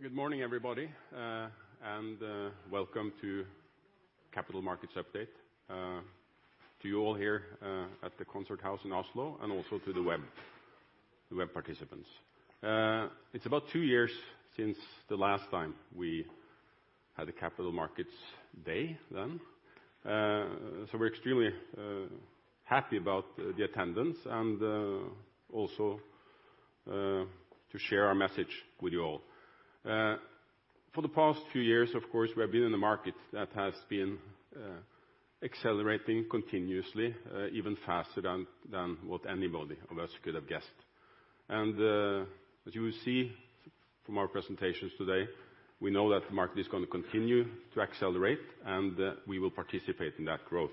Good morning, everybody, and welcome to Capital Markets Update. To you all here at the Oslo Konserthus, and also to the web participants. It's about two years since the last time we had a Capital Markets Day then. We're extremely happy about the attendance and also to share our message with you all. For the past few years, of course, we have been in the market that has been accelerating continuously, even faster than what anybody of us could have guessed. As you will see from our presentations today, we know that the market is going to continue to accelerate, and we will participate in that growth.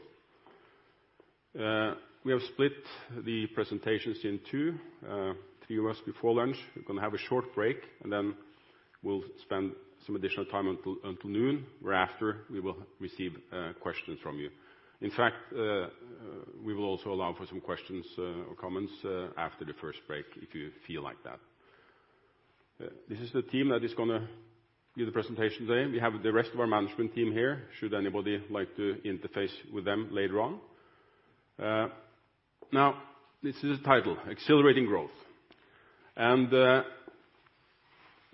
We have split the presentations in two. Three of us before lunch. We're going to have a short break, and then we'll spend some additional time until noon, whereafter we will receive questions from you. In fact, we will also allow for some questions or comments after the first break if you feel like that. This is the team that is going to do the presentation today. We have the rest of our management team here, should anybody like to interface with them later on. This is the title, Accelerating Growth.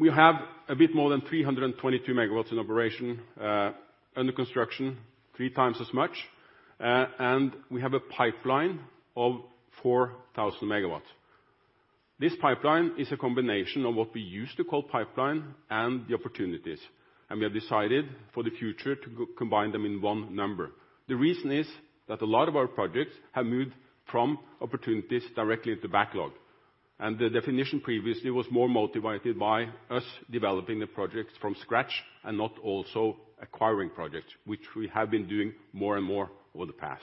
We have a bit more than 322 MW in operation, under construction, three times as much. We have a pipeline of 4,000 MW. This pipeline is a combination of what we used to call pipeline and the opportunities, and we have decided for the future to combine them in one number. The reason is that a lot of our projects have moved from opportunities directly to backlog, and the definition previously was more motivated by us developing the projects from scratch and not also acquiring projects, which we have been doing more and more over the past.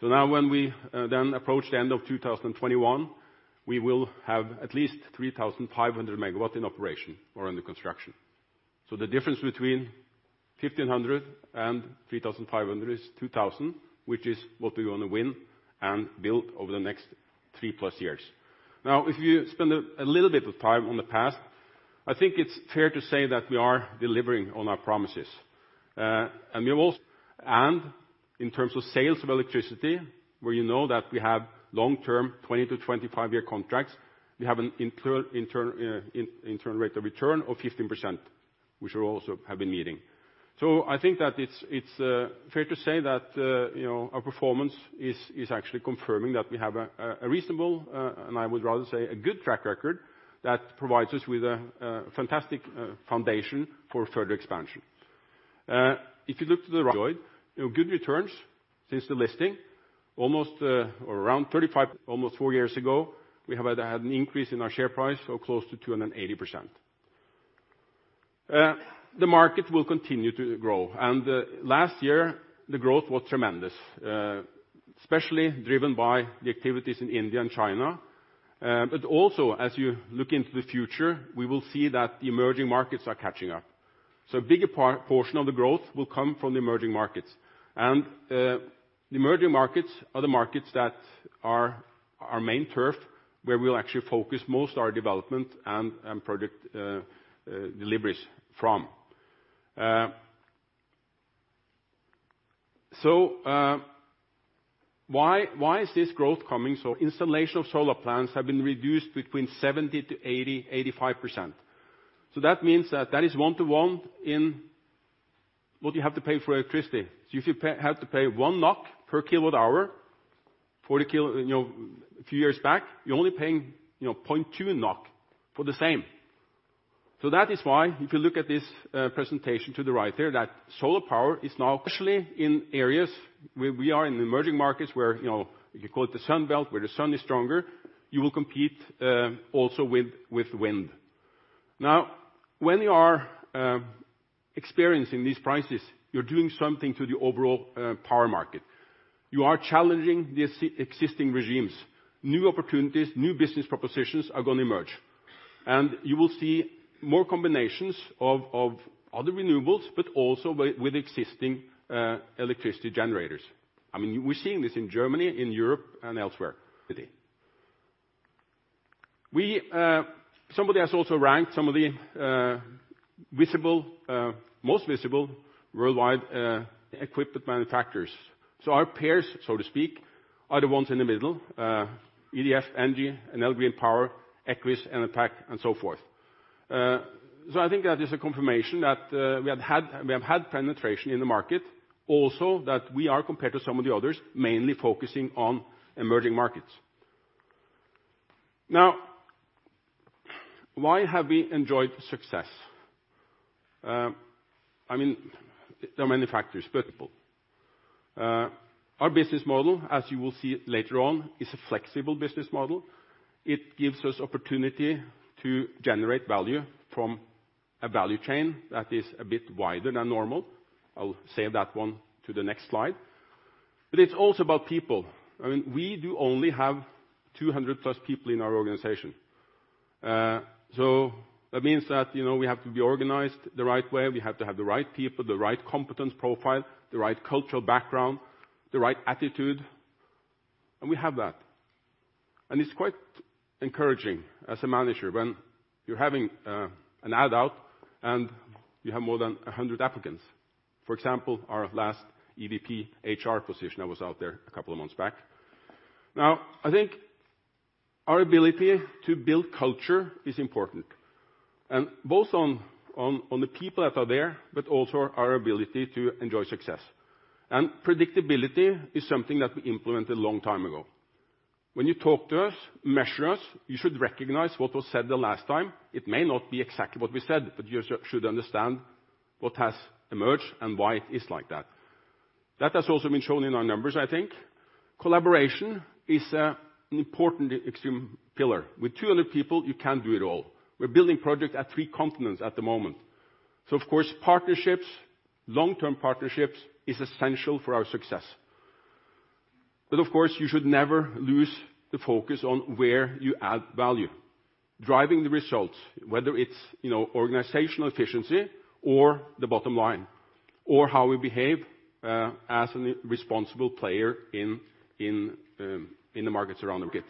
When we then approach the end of 2021, we will have at least 3,500 MW in operation or under construction. The difference between 1,500 and 3,500 is 2,000, which is what we're going to win and build over the next three-plus years. If you spend a little bit of time on the past, I think it's fair to say that we are delivering on our promises. We will in terms of sales of electricity, where you know that we have long-term 20-25-year contracts, we have an internal rate of return of 15%, which we also have been meeting. I think that it's fair to say that our performance is actually confirming that we have a reasonable, and I would rather say a good track record that provides us with a fantastic foundation for further expansion. If you look to the right, good returns since the listing, around 35 almost four years ago, we have had an increase in our share price of close to 280%. The market will continue to grow, last year, the growth was tremendous, especially driven by the activities in India and China. Also, as you look into the future, we will see that the emerging markets are catching up. A bigger portion of the growth will come from the emerging markets. The emerging markets are the markets that are our main turf, where we'll actually focus most our development and project deliveries from. Why is this growth coming? Installation of solar plants have been reduced between 70%-80%, 85%. That means that that is one to one in what you have to pay for electricity. If you have to pay 1 NOK per kWh a few years back, you're only paying 0.2 NOK for the same. That is why if you look at this presentation to the right there, that solar power is now especially in areas where we are in emerging markets where, you could call it the sun belt, where the sun is stronger, you will compete also with wind. Now, when you are experiencing these prices, you're doing something to the overall power market. You are challenging the existing regimes. New opportunities, new business propositions are going to emerge. You will see more combinations of other renewables, but also with existing electricity generators. We're seeing this in Germany, in Europe, and elsewhere today. Somebody has also ranked some of the most visible worldwide equipment manufacturers. Our peers, so to speak, are the ones in the middle, EDF Energy and Albioma, Equinor, and ACWA Power, and so forth. I think that is a confirmation that we have had penetration in the market, also that we are compared to some of the others, mainly focusing on emerging markets. Now, why have we enjoyed success? There are many factors, our business model, as you will see later on, is a flexible business model. It gives us opportunity to generate value from a value chain that is a bit wider than normal. I will save that one to the next slide. It's also about people. We do only have 200+ people in our organization. That means that we have to be organized the right way. We have to have the right people, the right competence profile, the right cultural background, the right attitude. We have that. It's quite encouraging as a manager when you're having an ad out and you have more than 100 applicants. For example, our last EVP HR position that was out there a couple of months back. Now, I think our ability to build culture is important, both on the people that are there, but also our ability to enjoy success. Predictability is something that we implemented a long time ago. When you talk to us, measure us, you should recognize what was said the last time. It may not be exactly what we said, but you should understand what has emerged and why it is like that. That has also been shown in our numbers, I think. Collaboration is an important extreme pillar. With 200 people, you can't do it all. We're building projects at three continents at the moment. Of course, partnerships, long-term partnerships, is essential for our success. Of course, you should never lose the focus on where you add value. Driving the results, whether it's organizational efficiency or the bottom line, or how we behave as a responsible player in the markets around the grid.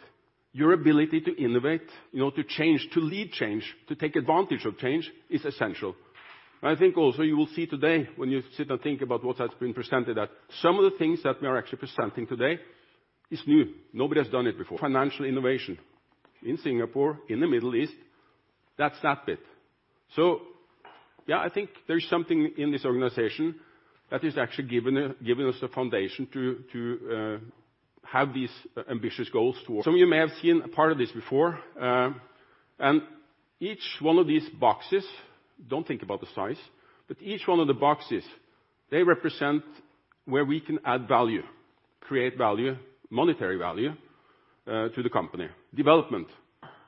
Your ability to innovate, to change, to lead change, to take advantage of change, is essential. I think also you will see today when you sit and think about what has been presented that some of the things that we are actually presenting today is new. Nobody has done it before. Financial innovation in Singapore, in the Middle East. That's that bit. I think there's something in this organization that has actually given us the foundation to have these ambitious goals towards Some of you may have seen a part of this before. Each one of these boxes, don't think about the size, but each one of the boxes, they represent where we can add value, create value, monetary value to the company. Development.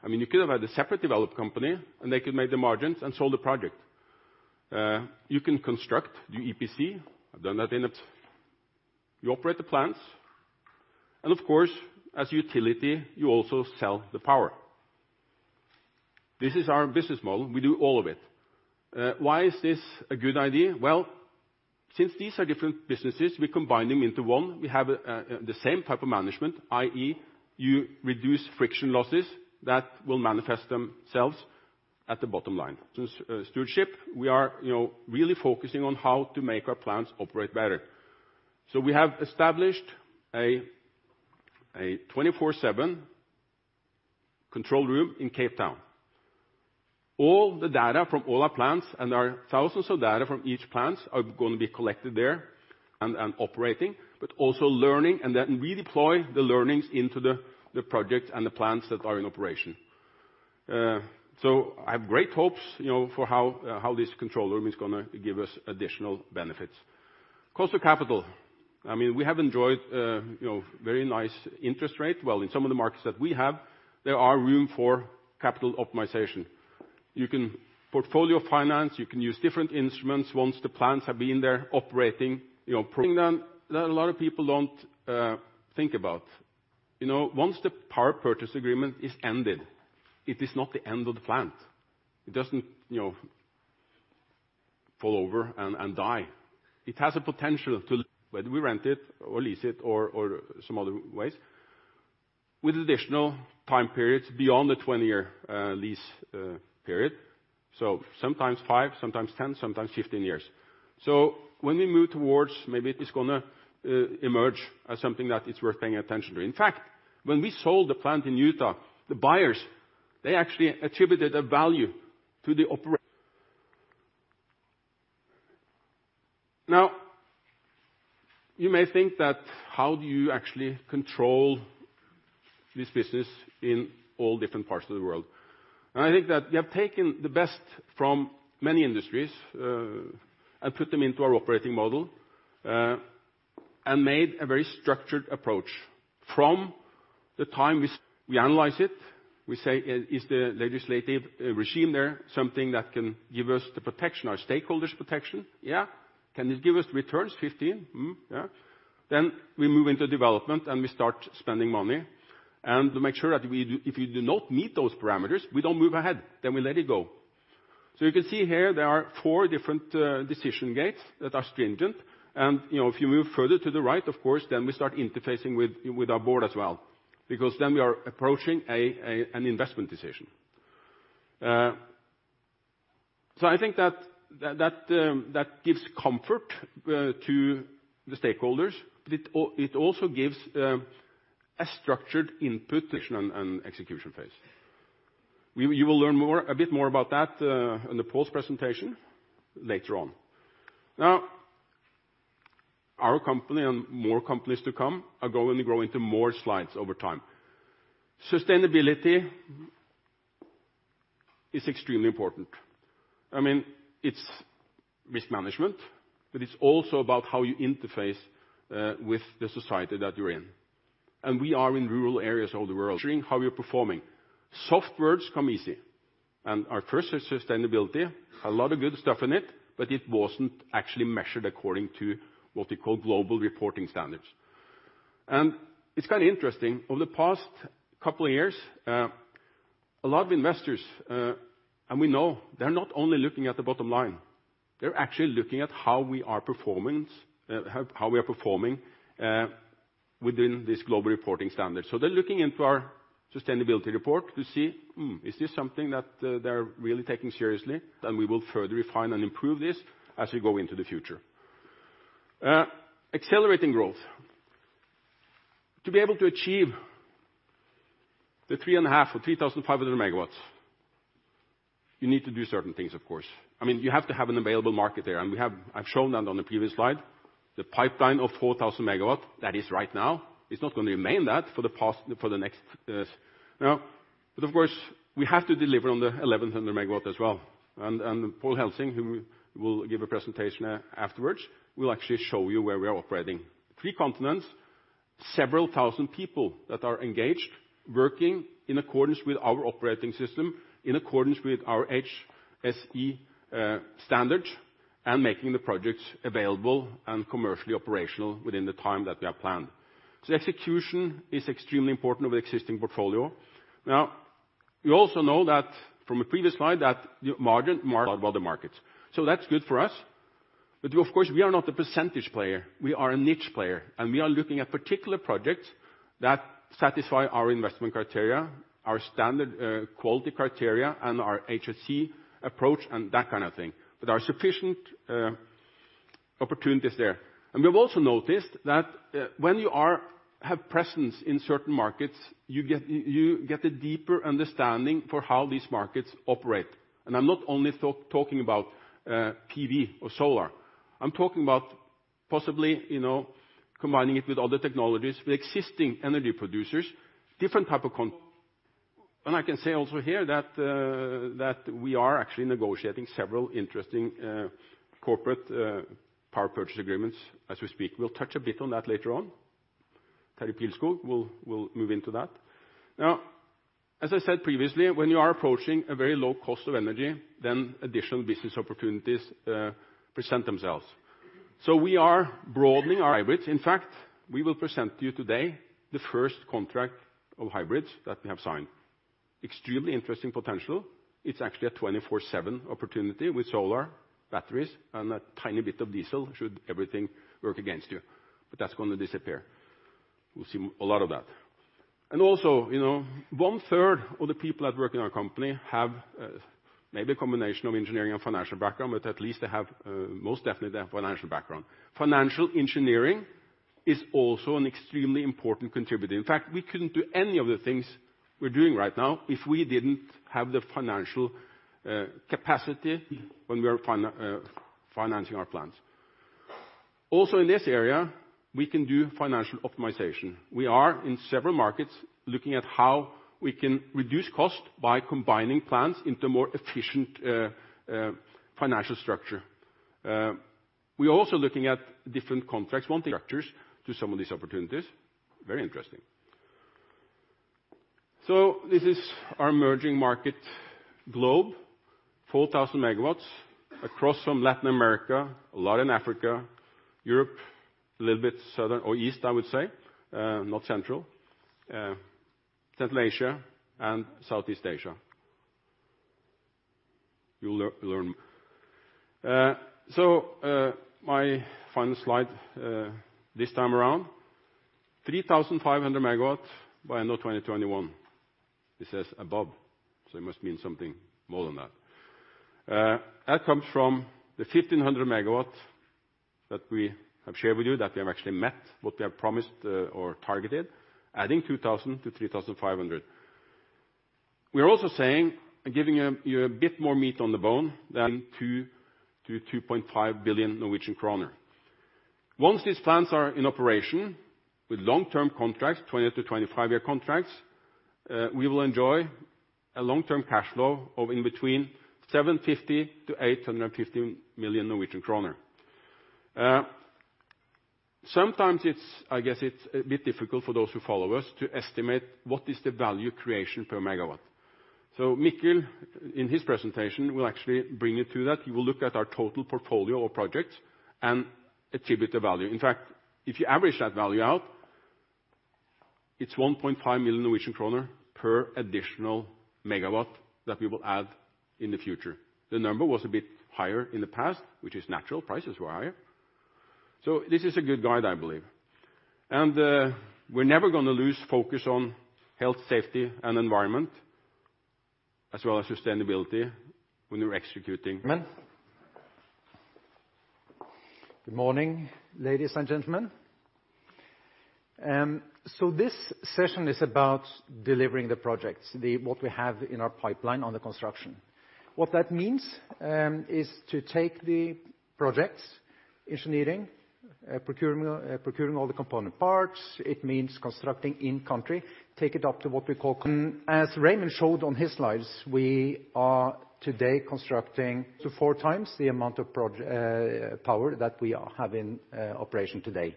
You could have had a separate developed company, and they could make the margins and sold the project. You can construct, do EPC. I've done that in it. You operate the plants, of course, as a utility, you also sell the power. This is our business model. We do all of it. Why is this a good idea? Since these are different businesses, we combine them into one. We have the same type of management, i.e., you reduce friction losses that will manifest themselves at the bottom line. Stewardship, we are really focusing on how to make our plants operate better. We have established a 24/7 control room in Cape Town. All the data from all our plants and our thousands of data from each plant are going to be collected there and operating, but also learning and then redeploy the learnings into the project and the plants that are in operation. I have great hopes for how this control room is going to give us additional benefits. Cost of capital. We have enjoyed very nice interest rate. In some of the markets that we have, there are room for capital optimization. You can portfolio finance, you can use different instruments once the plants have been there operating, proving them that a lot of people don't think about. Once the power purchase agreement is ended, it is not the end of the plant. It doesn't fall over and die. It has a potential to, whether we rent it or lease it or some other ways, with additional time periods beyond the 20-year lease period. Sometimes five, sometimes 10, sometimes 15 years. When we move towards maybe it is going to emerge as something that is worth paying attention to. In fact, when we sold the plant in Utah, the buyers, they actually attributed a value to the. You may think that how do you actually control this business in all different parts of the world? I think that we have taken the best from many industries and put them into our operating model and made a very structured approach. From the time we analyze it, we say, is the legislative regime there something that can give us the protection, our stakeholders protection? Yeah. Can this give us returns? 15? Yeah. We move into development and we start spending money and to make sure that if you do not meet those parameters, we don't move ahead, then we let it go. You can see here there are four different decision gates that are stringent. If you move further to the right, of course, then we start interfacing with our board as well because then we are approaching an investment decision. I think that gives comfort to the stakeholders, but it also gives a structured input. Execution phase. You will learn a bit more about that in the post-presentation later on. Our company and more companies to come are going to grow into more slides over time. Sustainability is extremely important. It's risk management, but it's also about how you interface with the society that you are in. We are in rural areas all the world showing how we are performing. Soft words come easy, and our first is sustainability. A lot of good stuff in it, but it wasn't actually measured according to what we call global reporting standards. It's kind of interesting, over the past couple of years, a lot of investors, and we know they're not only looking at the bottom line, they're actually looking at how we are performing within this global reporting standard. They're looking into our sustainability report to see, hmm, is this something that they're really taking seriously? We will further refine and improve this as we go into the future. Accelerating growth. To be able to achieve the 3,500 MW, you need to do certain things, of course. You have to have an available market there. I've shown that on the previous slide. The pipeline of 4,000 MW, that is right now, is not going to remain that. Of course, we have to deliver on the 1,100 MW as well. Pål Helsing, who will give a presentation afterwards, will actually show you where we are operating. three continents, several thousand people that are engaged, working in accordance with our operating system, in accordance with our HSE standards, and making the projects available and commercially operational within the time that we have planned. Execution is extremely important of the existing portfolio. You also know that from a previous slide, that the markets. That's good for us. Of course, we are not a percentage player. We are a niche player, and we are looking at particular projects that satisfy our investment criteria, our standard quality criteria, and our HSE approach, and that kind of thing. There are sufficient opportunities there. We have also noticed that when you have presence in certain markets, you get a deeper understanding for how these markets operate. I'm not only talking about PV or solar. I'm talking about possibly combining it with other technologies, with existing energy producers. I can say also here that we are actually negotiating several interesting corporate power purchase agreements as we speak. We'll touch a bit on that later on. Terje Pilskog will move into that. As I said previously, when you are approaching a very low cost of energy, then additional business opportunities present themselves. We are broadening our hybrids. In fact, we will present to you today the first contract of hybrids that we have signed. Extremely interesting potential. It's actually a 24/7 opportunity with solar, batteries, and a tiny bit of diesel should everything work against you. That's going to disappear. We'll see a lot of that. Also, one third of the people that work in our company have maybe a combination of engineering and financial background, but at least they have most definitely their financial background. Financial engineering is also an extremely important contributor. In fact, we couldn't do any of the things we're doing right now if we didn't have the financial capacity when we are financing our plants. In this area, we can do financial optimization. We are in several markets looking at how we can reduce cost by combining plants into more efficient financial structure. We are also looking at different contracts structures to some of these opportunities. Very interesting. This is our emerging market globe, 4,000 MW across from Latin America, a lot in Africa, Europe, a little bit southern or east, I would say, not central. South Asia and Southeast Asia. You'll learn. My final slide this time around, 3,500 MW by end of 2021. It says above, so it must mean something more than that. That comes from the 1,500 MW that we have shared with you that we have actually met what we have promised or targeted, adding 2,000 MW to 3,500 MW. We are also saying and giving you a bit more meat on the bone than 2 billion-2.5 billion Norwegian kroner. Once these plants are in operation with long-term contracts, 20-25 year contracts, we will enjoy a long-term cash flow of 750 million-850 million Norwegian kroner. Sometimes I guess it's a bit difficult for those who follow us to estimate what is the value creation per MW. Mikkel, in his presentation, will actually bring you to that. You will look at our total portfolio of projects and attribute the value. In fact, if you average that value out, it's 1.5 million Norwegian kroner per additional MW that we will add in the future. The number was a bit higher in the past, which is natural. Prices were higher. This is a good guide, I believe. We're never going to lose focus on health, safety, and environment, as well as sustainability when we're executing. Gentlemen. Good morning, ladies and gentlemen. This session is about delivering the projects, what we have in our pipeline on the construction. What that means is to take the projects, engineering, procurement, procuring all the component parts. It means constructing in country. As Raymond showed on his slides, we are today constructing to 4 times the amount of power that we have in operation today.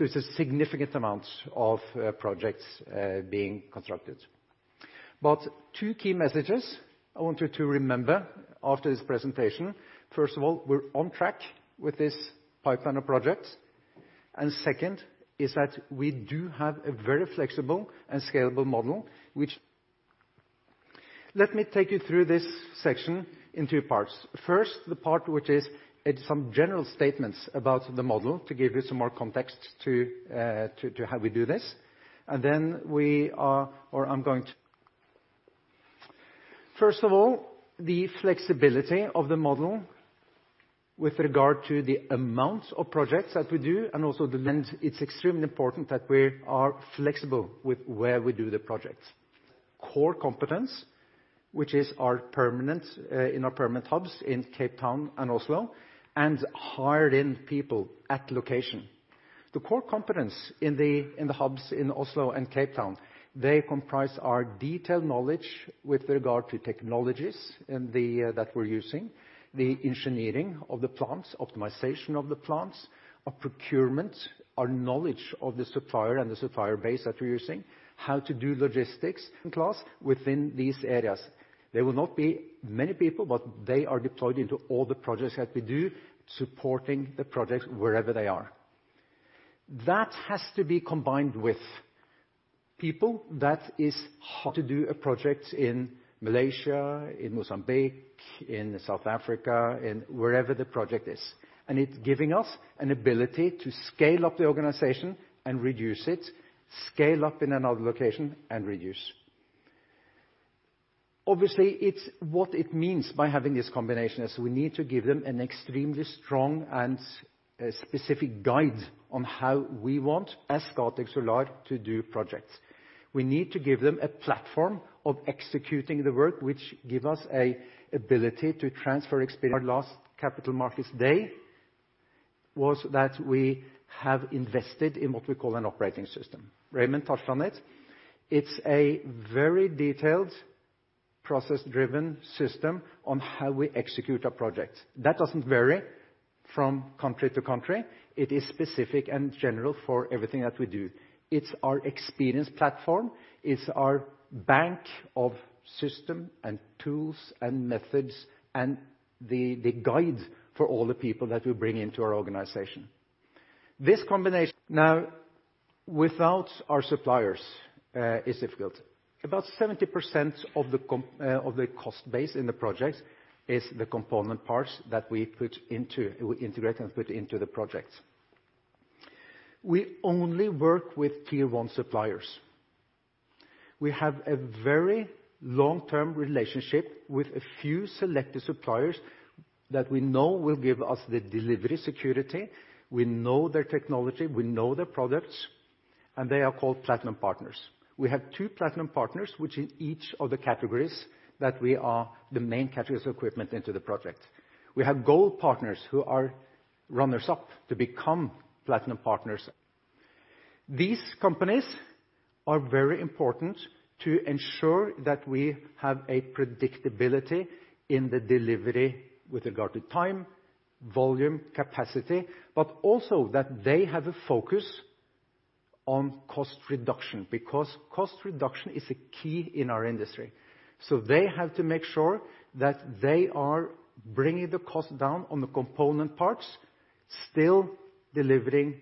It's a significant amount of projects being constructed. Two key messages I want you to remember after this presentation. First of all, we're on track with this pipeline of projects. Second is that we do have a very flexible and scalable model. Let me take you through this section in two parts. First, the part which is some general statements about the model to give you some more context to how we do this. The flexibility of the model with regard to the amount of projects that we do and also the length, it's extremely important that we are flexible with where we do the projects. Core competence, which is in our permanent hubs in Cape Town and Oslo, and hired in people at location. The core competence in the hubs in Oslo and Cape Town, they comprise our detailed knowledge with regard to technologies that we're using, the engineering of the plants, optimization of the plants, our procurement, our knowledge of the supplier and the supplier base that we're using, how to do logistics class within these areas. They will not be many people, but they are deployed into all the projects that we do, supporting the projects wherever they are. That has to be combined with people that is how to do a project in Malaysia, in Mozambique, in South Africa, in wherever the project is, and it's giving us an ability to scale up the organization and reduce it, scale up in another location, and reduce. Obviously, what it means by having this combination is we need to give them an extremely strong and specific guide on how we want as Scatec Solar to do projects. We need to give them a platform of executing the work, which give us a ability to transfer experience. Our last Capital Markets Day was that we have invested in what we call an operating system. Raymond touched on it. It's a very detailed, process-driven system on how we execute our projects. That doesn't vary from country to country. It is specific and general for everything that we do. It's our experience platform. It's our bank of system and tools and methods and the guide for all the people that we bring into our organization. This combination. Now, without our suppliers, it's difficult. About 70% of the cost base in the projects is the component parts that we integrate and put into the projects. We only work with tier 1 suppliers. We have a very long-term relationship with a few selected suppliers that we know will give us the delivery security. We know their technology, we know their products, and they are called platinum partners. We have two platinum partners, which in each of the categories that we are the main categories of equipment into the project. We have gold partners who are runners up to become platinum partners. These companies are very important to ensure that we have a predictability in the delivery with regard to time, volume, capacity, but also that they have a focus on cost reduction, because cost reduction is a key in our industry. They have to make sure that they are bringing the cost down on the component parts, still delivering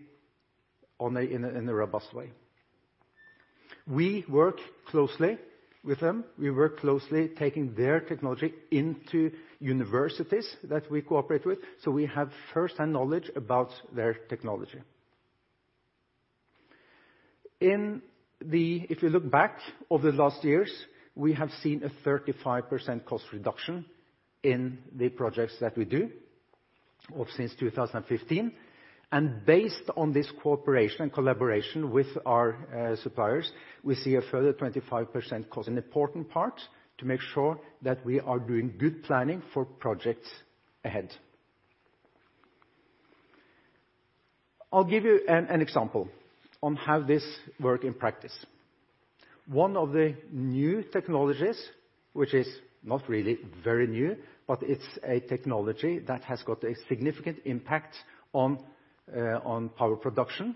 in a robust way. We work closely with them. We work closely taking their technology into universities that we cooperate with. We have first-hand knowledge about their technology. If you look back over the last years, we have seen a 35% cost reduction in the projects that we do since 2015. Based on this cooperation and collaboration with our suppliers, we see a further 25% cost. An important part to make sure that we are doing good planning for projects ahead. I'll give you an example on how this work in practice. One of the new technologies, which is not really very new, but it's a technology that has got a significant impact on power production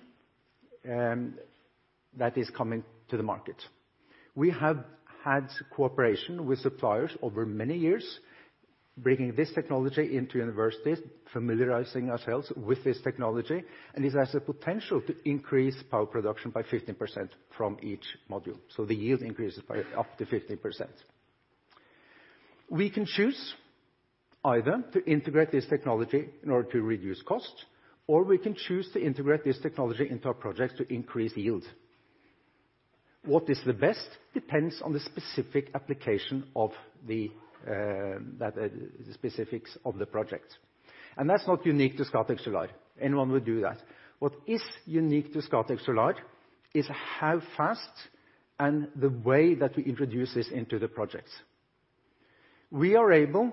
that is coming to the market. We have had cooperation with suppliers over many years, bringing this technology into universities, familiarizing ourselves with this technology, and it has a potential to increase power production by 15% from each module. The yield increases by up to 15%. We can choose either to integrate this technology in order to reduce cost, or we can choose to integrate this technology into our projects to increase yield. What is the best depends on the specific application of the specifics of the project. That's not unique to Scatec Solar. Anyone would do that. What is unique to Scatec Solar is how fast and the way that we introduce this into the projects. We are able,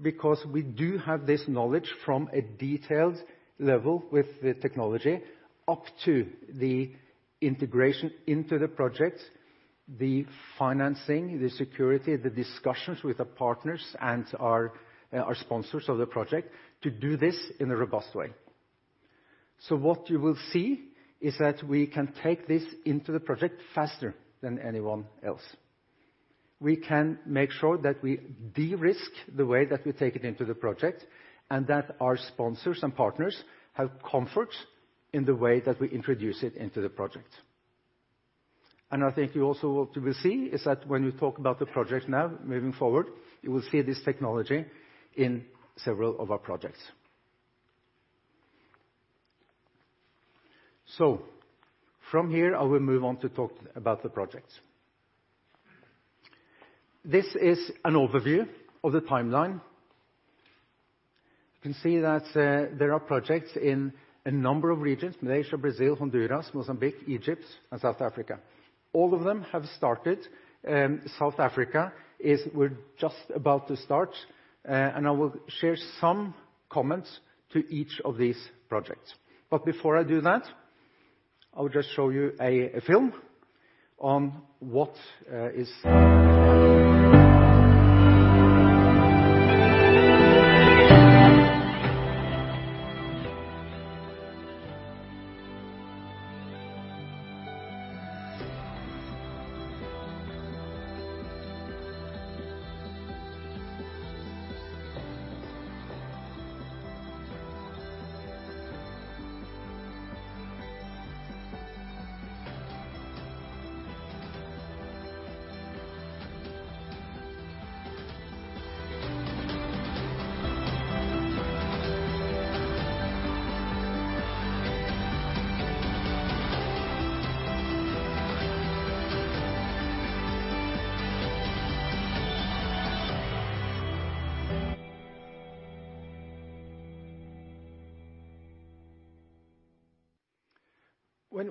because we do have this knowledge from a detailed level with the technology up to the integration into the projects, the financing, the security, the discussions with the partners and our sponsors of the project to do this in a robust way. What you will see is that we can take this into the project faster than anyone else. We can make sure that we de-risk the way that we take it into the project, and that our sponsors and partners have comfort in the way that we introduce it into the project. I think also what we see is that when we talk about the project now moving forward, you will see this technology in several of our projects. From here, I will move on to talk about the projects. This is an overview of the timeline. You can see that there are projects in a number of regions: Malaysia, Brazil, Honduras, Mozambique, Egypt and South Africa. All of them have started. South Africa, we're just about to start. I will share some comments to each of these projects. Before I do that, I will just show you a film on what is.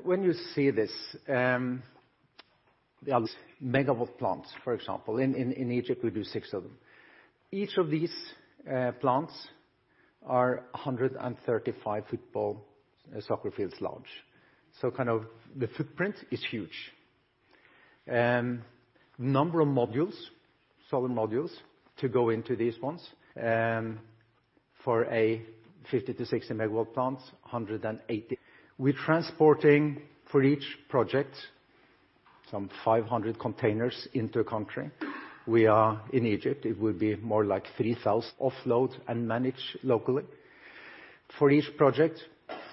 When you see this, they are megawatt plants. For example, in Egypt, we do 6 of them. Each of these plants are 135 football soccer fields large. The footprint is huge. Number of modules, solar modules to go into these ones, for a 50-60 MW plant, 180. We're transporting for each project some 500 containers into a country. We are in Egypt. It will be more like 3,000 offload and managed locally. For each project,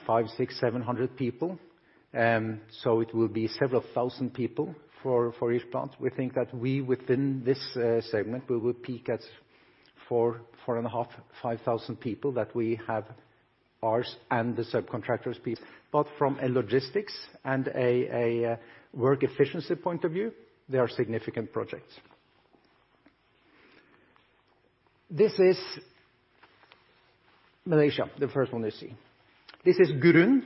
500, 600, 700 people. It will be several thousand people for each plant. We think that we, within this segment, we will peak at 4,500, 5,000 people that we have ours and the subcontractors' piece. From a logistics and a work efficiency point of view, they are significant projects. This is Malaysia, the first one you see. This is Gurun.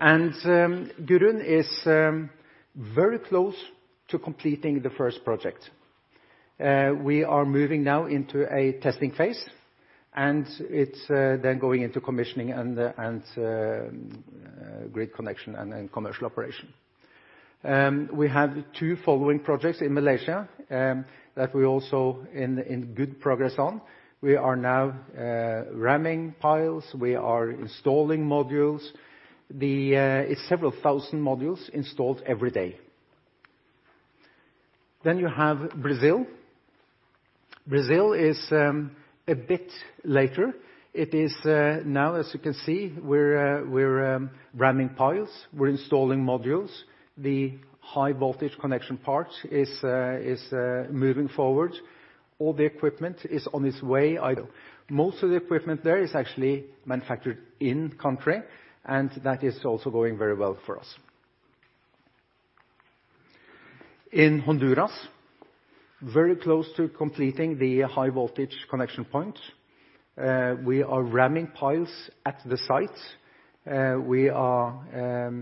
Gurun is very close to completing the first project. We are moving now into a testing phase. It's then going into commissioning and grid connection and commercial operation. We have 2 following projects in Malaysia that we're also in good progress on. We are now ramming piles. We are installing modules. It's several thousand modules installed every day. You have Brazil. Brazil is a bit later. It is now, as you can see, we're ramming piles. We're installing modules. The high voltage connection part is moving forward. All the equipment is on its way. Most of the equipment there is actually manufactured in country, and that is also going very well for us. In Honduras, very close to completing the high voltage connection point. We are ramming piles at the site. We are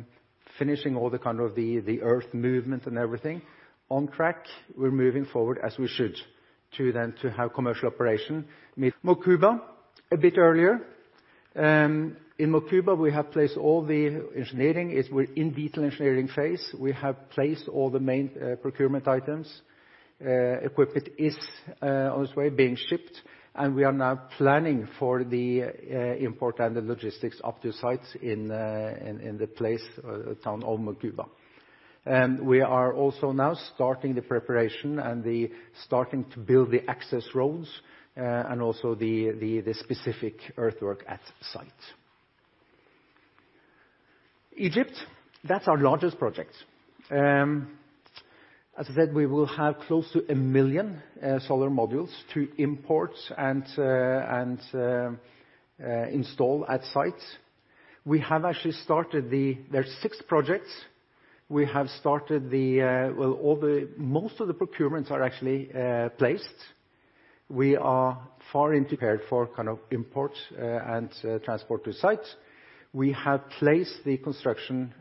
finishing all the earth movement and everything. On track. We're moving forward as we should to then to have commercial operation. Mocuba, a bit earlier. In Mocuba, we have placed all the engineering. We're in detail engineering phase. We have placed all the main procurement items. Equipment is on its way being shipped, and we are now planning for the import and the logistics of the sites in the place, town of Mocuba. We are also now starting the preparation and starting to build the access roads, and also the specific earthwork at site. Egypt, that's our largest project. As I said, we will have close to 1 million solar modules to import and install at sites. There are 6 projects. Most of the procurements are actually placed. We are far into prepared for import and transport to sites. We have placed the construction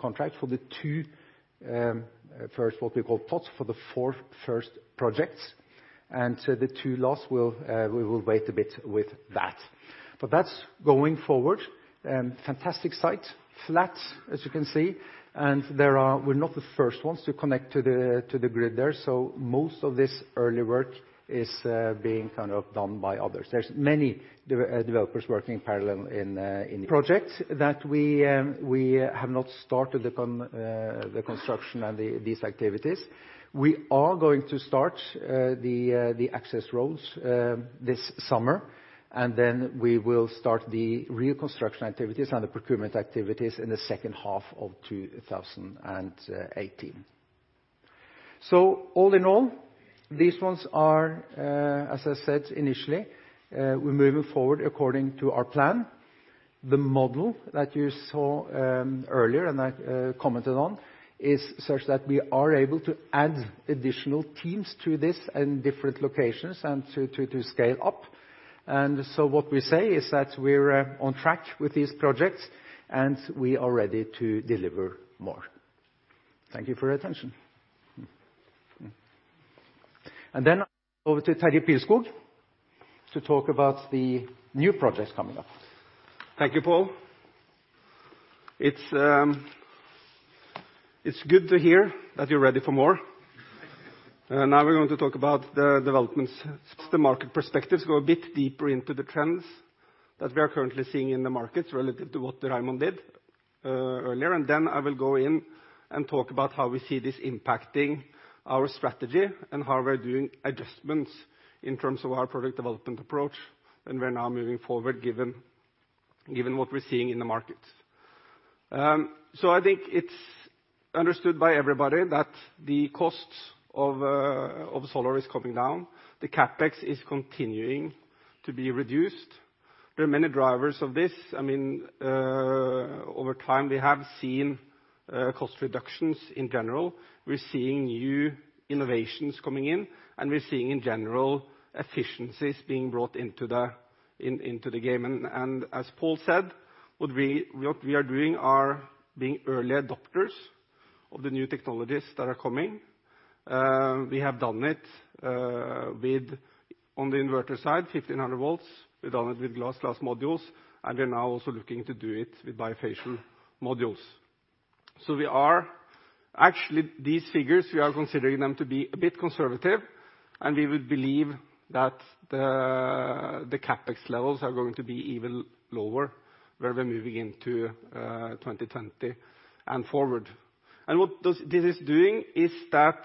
contract for the 2 first, what we call, plots for the 4 first projects, and the 2 last, we will wait a bit with that. That's going forward. Fantastic site. Flat, as you can see, and we're not the first ones to connect to the grid there. Most of this early work is being done by others. There's many developers working parallel in the project that we have not started the construction and these activities. We are going to start the access roads this summer, we will start the real construction activities and the procurement activities in the second half of 2018. All in all, these ones are, as I said initially, we're moving forward according to our plan. The model that you saw earlier and I commented on is such that we are able to add additional teams to this in different locations and to scale up. What we say is that we're on track with these projects, and we are ready to deliver more. Thank you for your attention. Over to Terje Pilskog to talk about the new projects coming up. Thank you, Pål. It's good to hear that you're ready for more. Now we're going to talk about the developments, the market perspectives, go a bit deeper into the trends that we are currently seeing in the markets relative to what Raymond did earlier. I will go in and talk about how we see this impacting our strategy and how we are doing adjustments in terms of our product development approach. We are now moving forward given what we're seeing in the market. I think it's understood by everybody that the costs of solar is coming down. The CapEx is continuing to be reduced. There are many drivers of this. Over time, we have seen cost reductions in general. We're seeing new innovations coming in, and we're seeing, in general, efficiencies being brought into the game. As Pål said, what we are doing are being early adopters of the new technologies that are coming. We have done it on the inverter side, 1,500 volts. We've done it with glass modules, and we are now also looking to do it with bifacial modules. Actually, these figures, we are considering them to be a bit conservative, and we would believe that the CapEx levels are going to be even lower where we're moving into 2020 and forward. What this is doing is that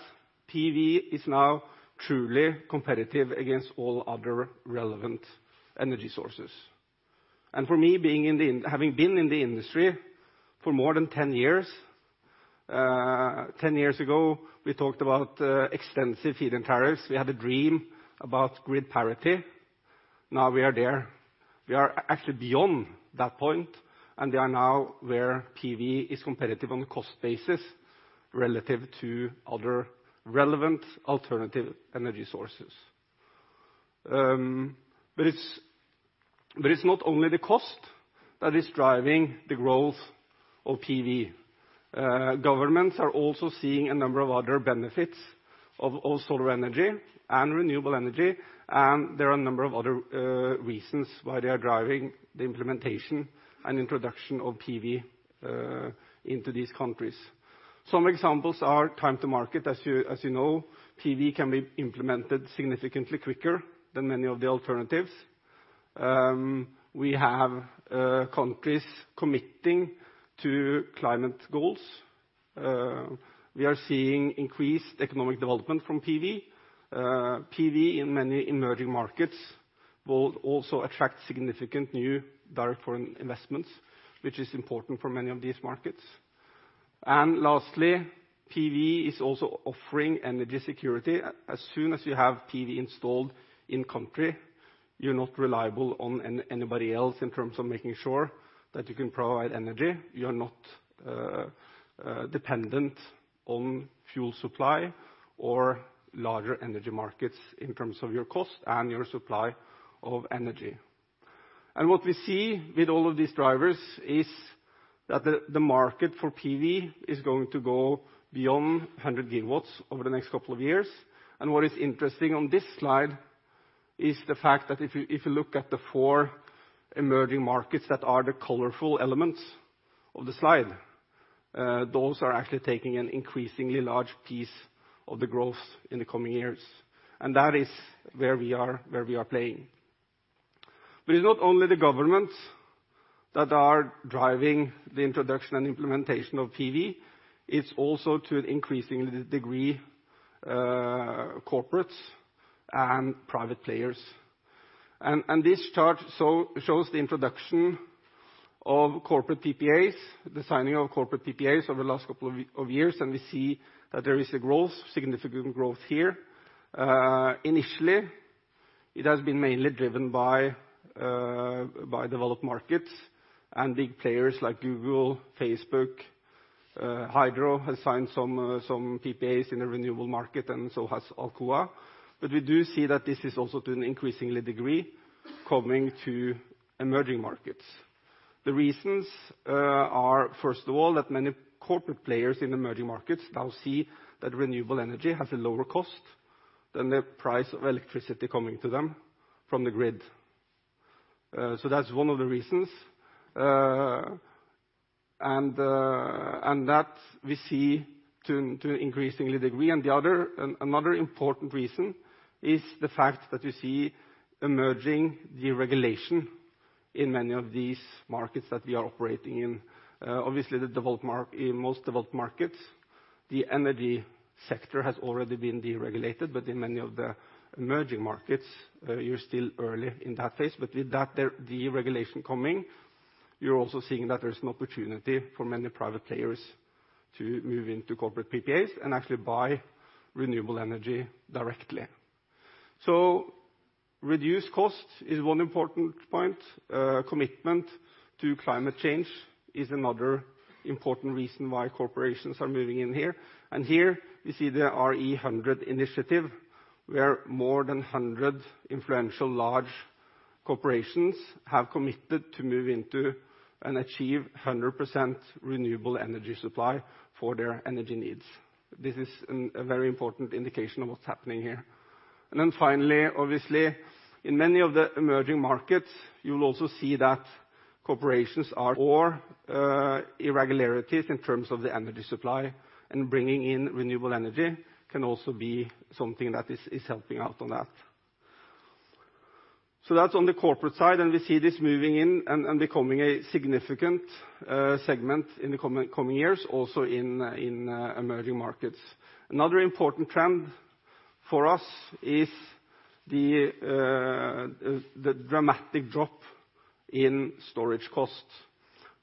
PV is now truly competitive against all other relevant energy sources. For me, having been in the industry for more than 10 years, 10 years ago, we talked about extensive feed-in tariffs. We had a dream about grid parity. Now we are there. We are actually beyond that point, and we are now where PV is competitive on a cost basis relative to other relevant alternative energy sources. It's not only the cost that is driving the growth of PV. Governments are also seeing a number of other benefits of all solar energy and renewable energy, and there are a number of other reasons why they are driving the implementation and introduction of PV into these countries. Some examples are time to market. As you know, PV can be implemented significantly quicker than many of the alternatives. We have countries committing to climate goals. We are seeing increased economic development from PV. PV in many emerging markets will also attract significant new direct foreign investments, which is important for many of these markets. Lastly, PV is also offering energy security. As soon as you have PV installed in country, you're not reliable on anybody else in terms of making sure that you can provide energy. You are not dependent on fuel supply or larger energy markets in terms of your cost and your supply of energy. What we see with all of these drivers is that the market for PV is going to go beyond 100 GW over the next couple of years. What is interesting on this slide is the fact that if you look at the four emerging markets that are the colorful elements of the slide, those are actually taking an increasingly large piece of the growth in the coming years. That is where we are playing. It's not only the governments that are driving the introduction and implementation of PV, it's also to an increasing degree, corporates and private players. This chart shows the introduction of corporate PPAs, the signing of corporate PPAs over the last couple of years, and we see that there is a significant growth here. Initially, it has been mainly driven by developed markets and big players like Google, Facebook. Hydro has signed some PPAs in the renewable market, and so has Alcoa. We do see that this is also to an increasing degree, coming to emerging markets. The reasons are, first of all, that many corporate players in emerging markets now see that renewable energy has a lower cost than the price of electricity coming to them from the grid. That's one of the reasons, and that we see to an increasing degree. Another important reason is the fact that we see emerging deregulation in many of these markets that we are operating in. Obviously, in most developed markets, the energy sector has already been deregulated. In many of the emerging markets, you're still early in that phase. With that deregulation coming, you're also seeing that there's an opportunity for many private players to move into corporate PPAs and actually buy renewable energy directly. Reduced cost is one important point. Commitment to climate change is another important reason why corporations are moving in here. Here you see the RE100 initiative, where more than 100 influential large corporations have committed to move into and achieve 100% renewable energy supply for their energy needs. This is a very important indication of what's happening here. Finally, obviously, in many of the emerging markets, you will also see that corporations are or irregularities in terms of the energy supply, and bringing in renewable energy can also be something that is helping out on that. That's on the corporate side, and we see this moving in and becoming a significant segment in the coming years, also in emerging markets. Another important trend for us is the dramatic drop in storage costs.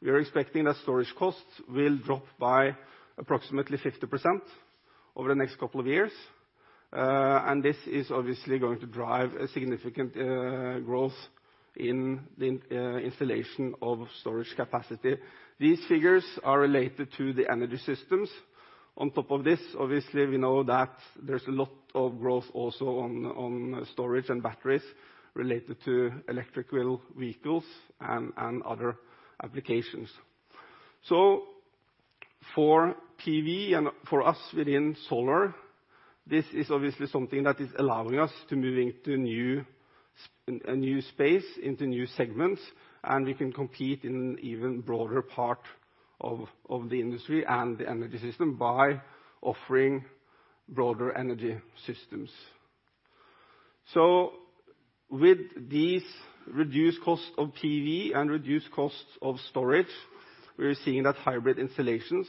We are expecting that storage costs will drop by approximately 50% over the next couple of years. This is obviously going to drive a significant growth in the installation of storage capacity. These figures are related to the energy systems. On top of this, obviously, we know that there's a lot of growth also on storage and batteries related to electrical vehicles and other applications. For PV and for us within solar, this is obviously something that is allowing us to move into a new space, into new segments, and we can compete in an even broader part of the industry and the energy system by offering broader energy systems. With these reduced costs of PV and reduced costs of storage, we are seeing that hybrid installations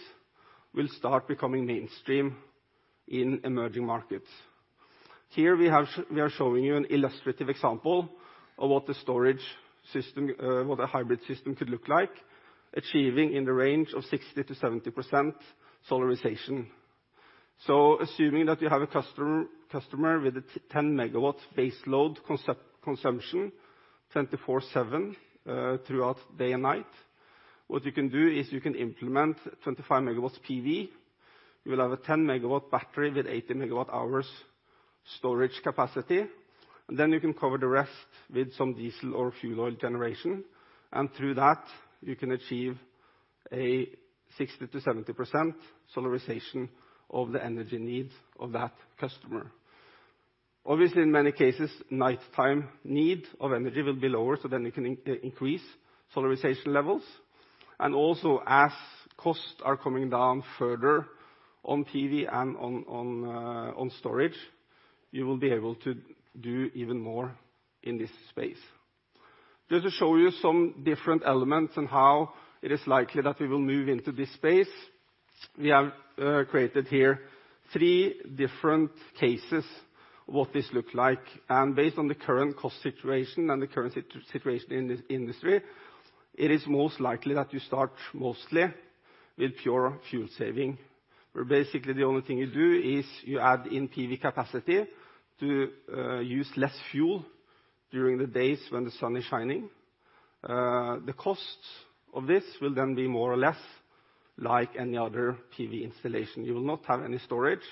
will start becoming mainstream in emerging markets. Here we are showing you an illustrative example of what a hybrid system could look like, achieving in the range of 60% to 70% solarization. Assuming that you have a customer with a 10-MW base load consumption 24/7 throughout day and night, what you can do is you can implement 25 MW PV. You will have a 10-MW battery with 80 MW hours storage capacity, you can cover the rest with some diesel or fuel oil generation. Through that, you can achieve a 60% to 70% solarization of the energy needs of that customer. Obviously, in many cases, nighttime need of energy will be lower, you can increase solarization levels. Also, as costs are coming down further on PV and on storage, you will be able to do even more in this space. Just to show you some different elements and how it is likely that we will move into this space, we have created here three different cases of what this looks like. Based on the current cost situation and the current situation in this industry, it is most likely that you start mostly with pure fuel saving, where basically the only thing you do is you add in PV capacity to use less fuel during the days when the sun is shining. The cost of this will be more or less like any other PV installation. You will not have any storage,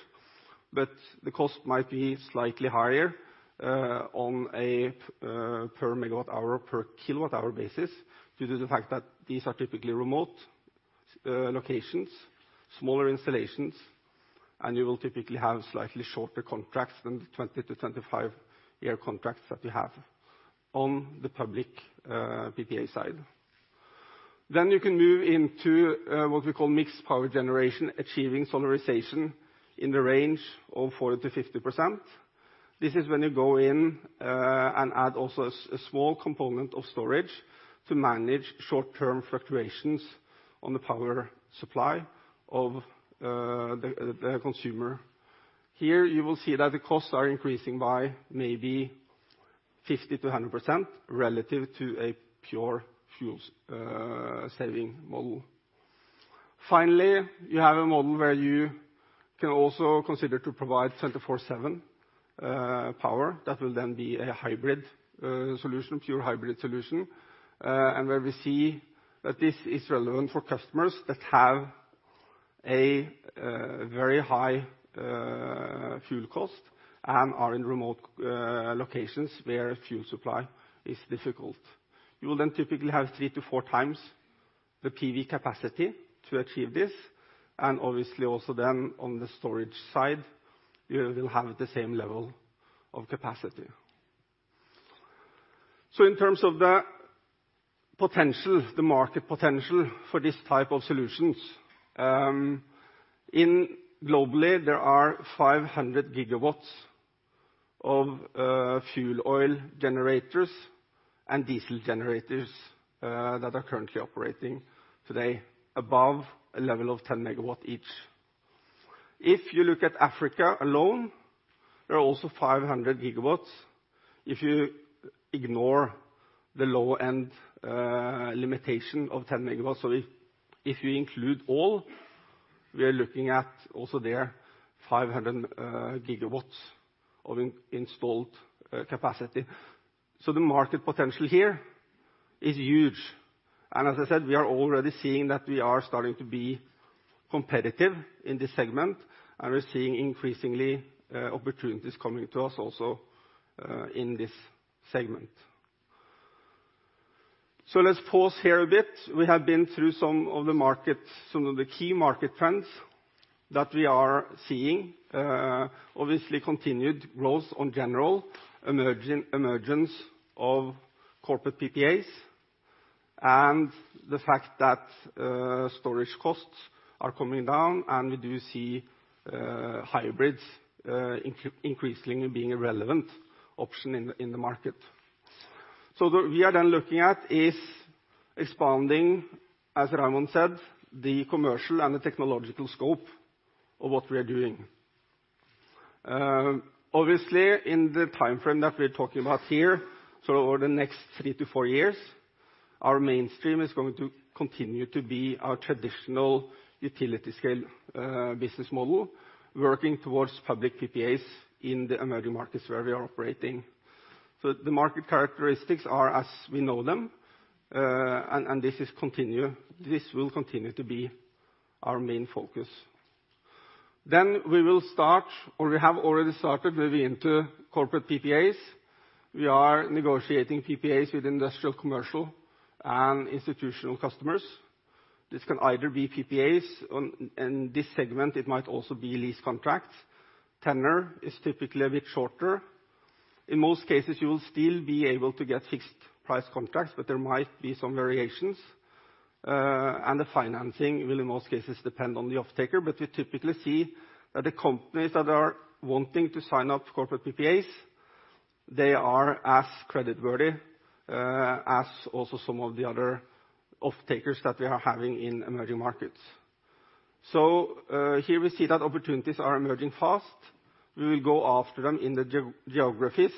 but the cost might be slightly higher on a per megawatt hour, per kilowatt hour basis due to the fact that these are typically remote locations, smaller installations, and you will typically have slightly shorter contracts than the 20-25-year contracts that you have on the public PPA side. You can move into what we call mixed power generation, achieving solarization in the range of 40%-50%. This is when you go in and add also a small component of storage to manage short-term fluctuations on the power supply of the consumer. Here you will see that the costs are increasing by maybe 50%-100% relative to a pure fuel-saving model. Finally, you have a model where you can also consider to provide 24/7 power. That will then be a pure hybrid solution, and where we see that this is relevant for customers that have a very high fuel cost and are in remote locations where fuel supply is difficult. You will then typically have three to four times the PV capacity to achieve this, and obviously also then on the storage side, you will have the same level of capacity. In terms of the market potential for these type of solutions, globally, there are 500 GW of fuel oil generators and diesel generators that are currently operating today above a level of 10 MW each. If you look at Africa alone, there are also 500 GW. If you ignore the low-end limitation of 10 MW, if you include all, we are looking at also there 500 GW of installed capacity. The market potential here is huge. As I said, we are already seeing that we are starting to be competitive in this segment, and we're seeing increasingly opportunities coming to us also in this segment. Let's pause here a bit. We have been through some of the key market trends that we are seeing. Obviously, continued growth on general emergence of corporate PPAs and the fact that storage costs are coming down, and we do see hybrids increasingly being a relevant option in the market. We are then looking at is expanding, as Raymond said, the commercial and the technological scope of what we are doing. Obviously, in the timeframe that we're talking about here, over the next three to four years, our mainstream is going to continue to be our traditional utility scale business model, working towards public PPAs in the emerging markets where we are operating. The market characteristics are as we know them, and this will continue to be our main focus. We will start, or we have already started moving into corporate PPAs. We are negotiating PPAs with industrial, commercial, and institutional customers. This can either be PPAs, or in this segment, it might also be lease contracts. Tenor is typically a bit shorter. In most cases, you will still be able to get fixed price contracts, but there might be some variations. The financing will in most cases depend on the offtaker, but we typically see that the companies that are wanting to sign up corporate PPAs, they are as creditworthy as also some of the other offtakers that we are having in emerging markets. Here we see that opportunities are emerging fast. We will go after them in the geographies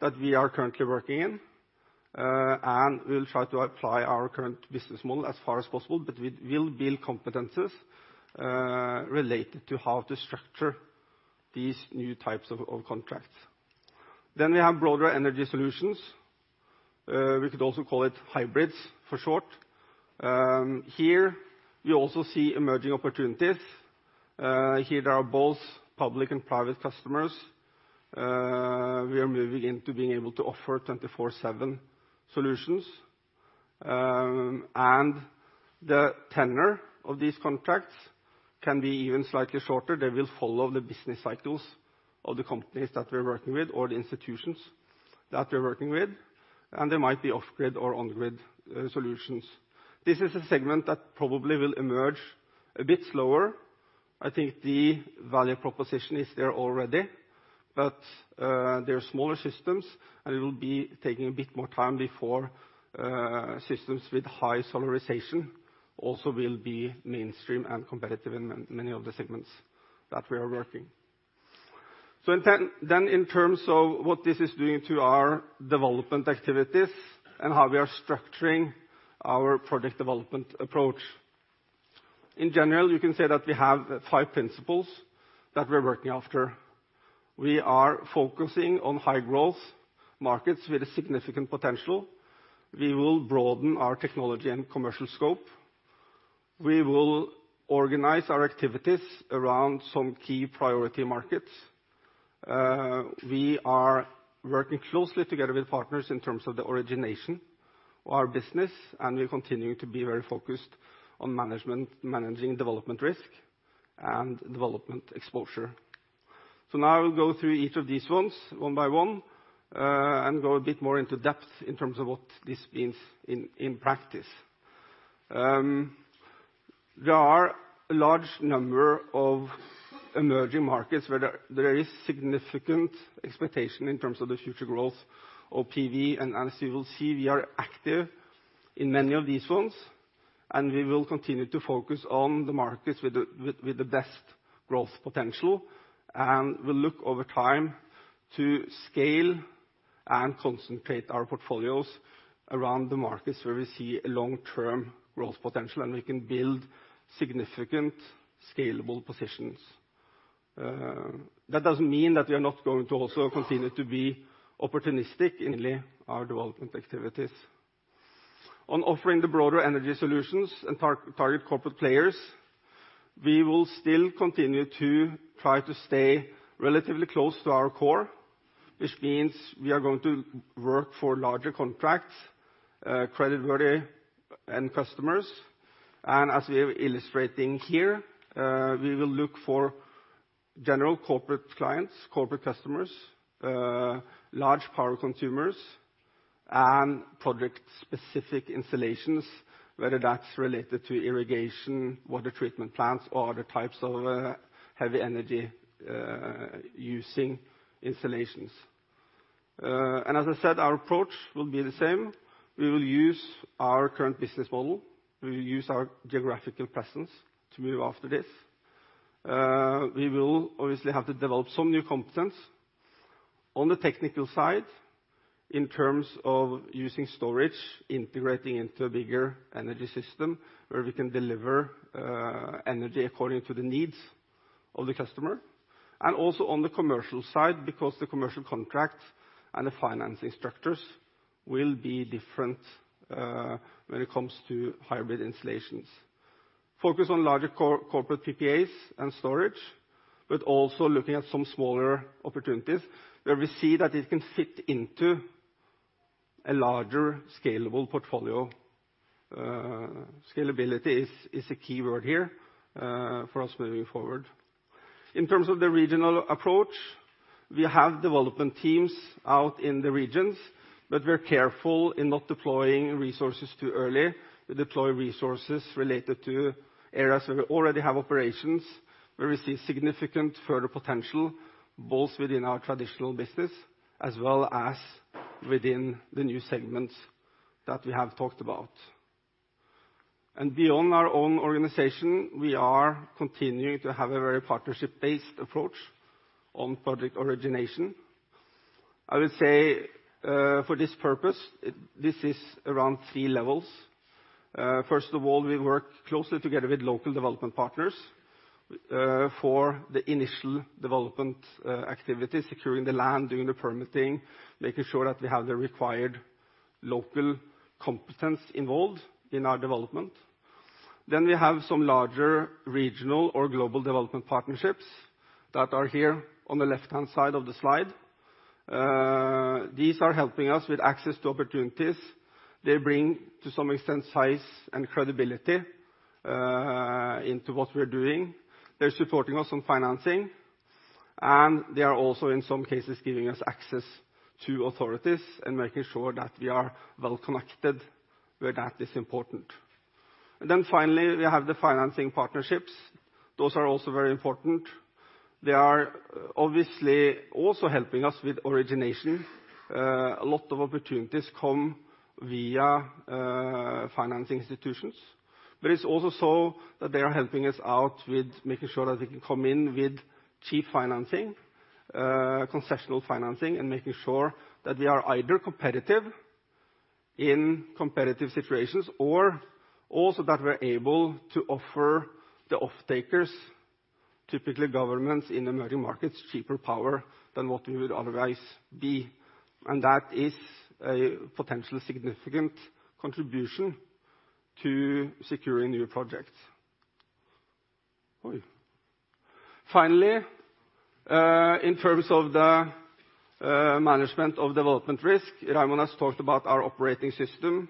that we are currently working in, and we will try to apply our current business model as far as possible, but we will build competencies related to how to structure these new types of contracts. We have broader energy solutions. We could also call it hybrids for short. Here you also see emerging opportunities. Here there are both public and private customers. We are moving into being able to offer 24/7 solutions. The tenor of these contracts can be even slightly shorter. They will follow the business cycles of the companies that we're working with or the institutions that we're working with, and they might be off-grid or on-grid solutions. This is a segment that probably will emerge a bit slower. I think the value proposition is there already, but they are smaller systems, and it will be taking a bit more time before systems with high solarization also will be mainstream and competitive in many of the segments that we are working. In terms of what this is doing to our development activities and how we are structuring our product development approach. In general, you can say that we have five principles that we're working after. We are focusing on high-growth markets with a significant potential. We will broaden our technology and commercial scope. We will organize our activities around some key priority markets. We are working closely together with partners in terms of the origination of our business, and we are continuing to be very focused on managing development risk and development exposure. Now I will go through each of these ones one by one, and go a bit more into depth in terms of what this means in practice. There are a large number of emerging markets where there is significant expectation in terms of the future growth of PV, and as you will see, we are active in many of these ones. We will continue to focus on the markets with the best growth potential, and we'll look over time to scale and concentrate our portfolios around the markets where we see a long-term growth potential, and we can build significant scalable positions. That doesn't mean that we are not going to also continue to be opportunistic in our development activities. On offering the broader energy solutions and target corporate players, we will still continue to try to stay relatively close to our core, which means we are going to work for larger contracts, creditworthy end customers. As we are illustrating here, we will look for general corporate clients, corporate customers, large power consumers, and project-specific installations, whether that's related to irrigation, water treatment plants, or other types of heavy energy using installations. As I said, our approach will be the same. We will use our current business model. We will use our geographical presence to move after this. We will obviously have to develop some new competence on the technical side in terms of using storage, integrating into a bigger energy system where we can deliver energy according to the needs of the customer, and also on the commercial side because the commercial contracts and the financing structures will be different when it comes to hybrid installations. Focus on larger corporate PPAs and storage, but also looking at some smaller opportunities where we see that it can fit into a larger scalable portfolio. Scalability is a key word here for us moving forward. In terms of the regional approach, we have development teams out in the regions, but we're careful in not deploying resources too early. We deploy resources related to areas where we already have operations, where we see significant further potential, both within our traditional business as well as within the new segments that we have talked about. Beyond our own organization, we are continuing to have a very partnership-based approach on project origination. I would say for this purpose, this is around 3 levels. First of all, we work closely together with local development partners for the initial development activities, securing the land, doing the permitting, making sure that we have the required local competence involved in our development. We have some larger regional or global development partnerships that are here on the left-hand side of the slide. These are helping us with access to opportunities. They bring, to some extent, size and credibility into what we're doing. They're supporting us on financing, and they are also, in some cases, giving us access to authorities and making sure that we are well connected where that is important. Finally, we have the financing partnerships. Those are also very important. They are obviously also helping us with origination. A lot of opportunities come via financing institutions, but it's also so that they are helping us out with making sure that we can come in with cheap financing, concessional financing, and making sure that we are either competitive in competitive situations or also that we're able to offer the off-takers, typically governments in emerging markets, cheaper power than what we would otherwise be. That is a potential significant contribution to securing new projects. Finally, in terms of the management of development risk, Raymond has talked about our operating system.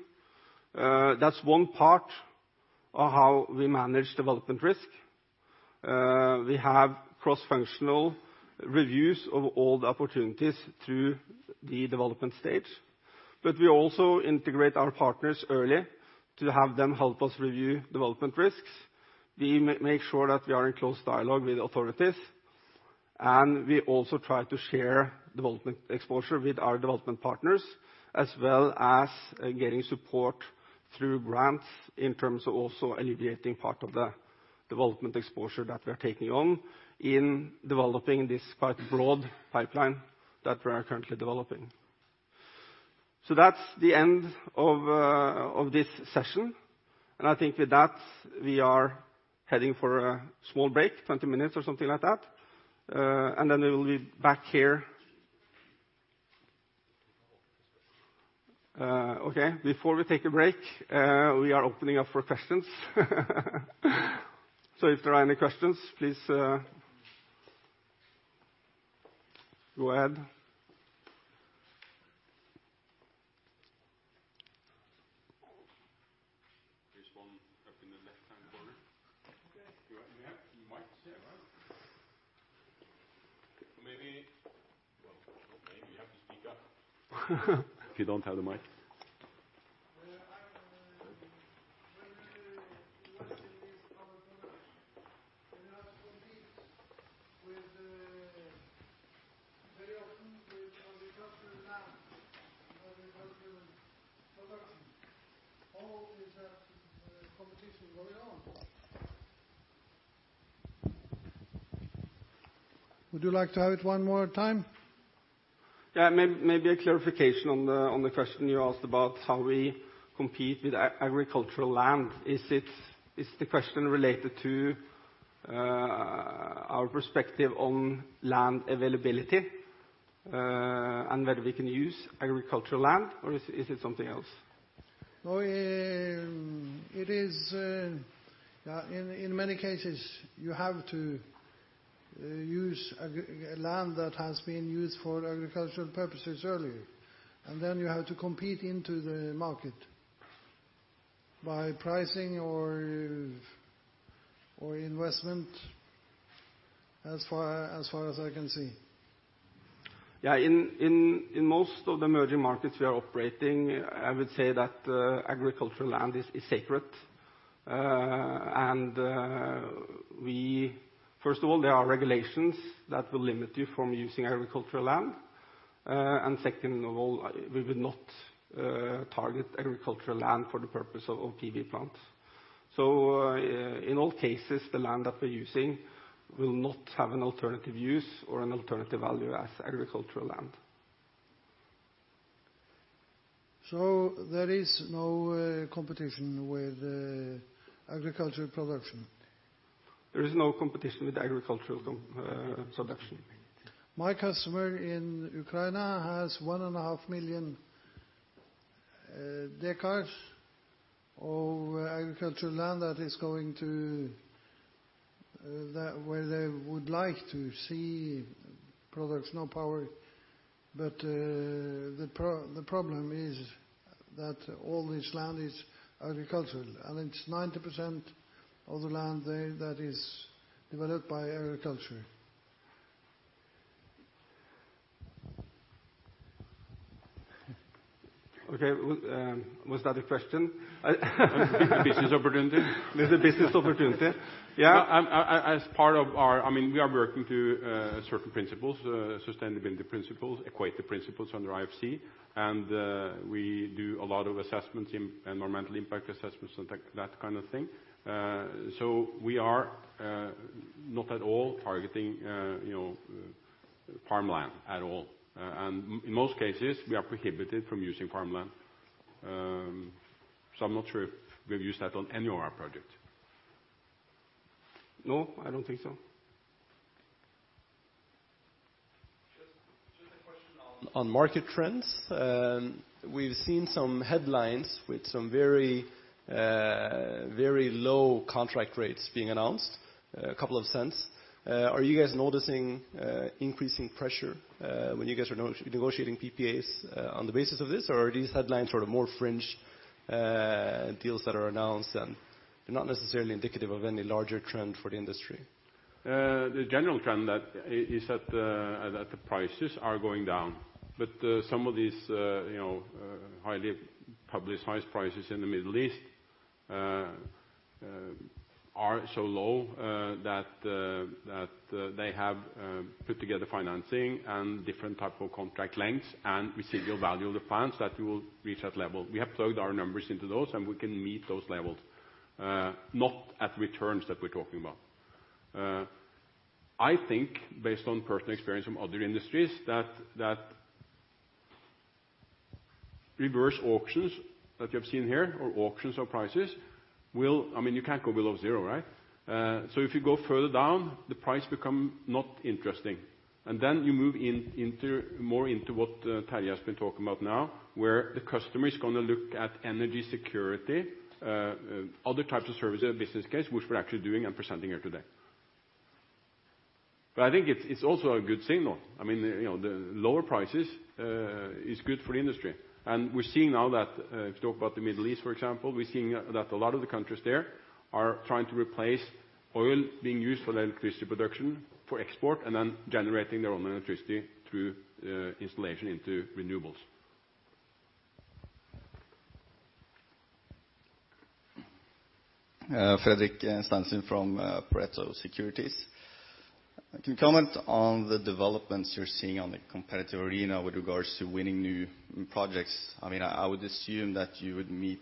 That's one part of how we manage development risk. We have cross-functional reviews of all the opportunities through the development stage, but we also integrate our partners early to have them help us review development risks. We make sure that we are in close dialogue with authorities, we also try to share development exposure with our development partners, as well as getting support through grants in terms of also alleviating part of the development exposure that we are taking on in developing this quite broad pipeline that we are currently developing. That's the end of this session. I think with that, we are heading for a small break, 20 minutes or something like that. We will be back here. Before we take a break, we are opening up for questions. If there are any questions, please go ahead. There's one up in the left-hand corner. Okay. You have mics there, right? Maybe you have to speak up. If you don't have the mic. Well, I With very often with agricultural land, agricultural production. How is that competition going on? Would you like to have it one more time? Yeah, maybe a clarification on the question you asked about how we compete with agricultural land. Is the question related to our perspective on land availability, and whether we can use agricultural land, or is it something else? No. In many cases, you have to use land that has been used for agricultural purposes earlier, and then you have to compete into the market by pricing or investment, as far as I can see. Yeah. In most of the emerging markets we are operating, I would say that agricultural land is sacred. First of all, there are regulations that will limit you from using agricultural land. Second of all, we would not target agricultural land for the purpose of PV plants. In all cases, the land that we're using will not have an alternative use or an alternative value as agricultural land. There is no competition with agriculture production? There is no competition with agricultural production. My customer in Ukraine has one and a half million decares of agricultural land where they would like to see products, not power. The problem is that all this land is agricultural, and it's 90% of the land there that is developed by agriculture. Okay. Was that a question? Business opportunity. There's a business opportunity. Yeah. We are working to certain principles, sustainability principles, Equator Principles under IFC, and we do a lot of environmental impact assessments and that kind of thing. We are not at all targeting farmland at all. In most cases, we are prohibited from using farmland. I'm not sure if we've used that on any of our project. No, I don't think so. Just a question on market trends. We've seen some headlines with some very low contract rates being announced, a couple of cents. Are you guys noticing increasing pressure, when you guys are negotiating PPAs on the basis of this? Or are these headlines sort of more fringe deals that are announced and not necessarily indicative of any larger trend for the industry? The general trend is that the prices are going down. Some of these highly publicized prices in the Middle East are so low that they have put together financing and different type of contract lengths and residual value of the plants that you will reach that level. We have plugged our numbers into those, and we can meet those levels. Not at returns that we're talking about. I think, based on personal experience from other industries, that reverse auctions that you have seen here or auctions of prices You can't go below zero, right? If you go further down, the price become not interesting. Then you move more into what Terje has been talking about now, where the customer is going to look at energy security, other types of services and business case, which we're actually doing and presenting here today. I think it's also a good signal. The lower prices is good for the industry. We're seeing now that, if you talk about the Middle East, for example, we're seeing that a lot of the countries there are trying to replace oil being used for their electricity production for export, then generating their own electricity through installation into renewables. Fredrik Stensen from Pareto Securities. Can you comment on the developments you're seeing on the competitive arena with regards to winning new projects? I would assume that you would meet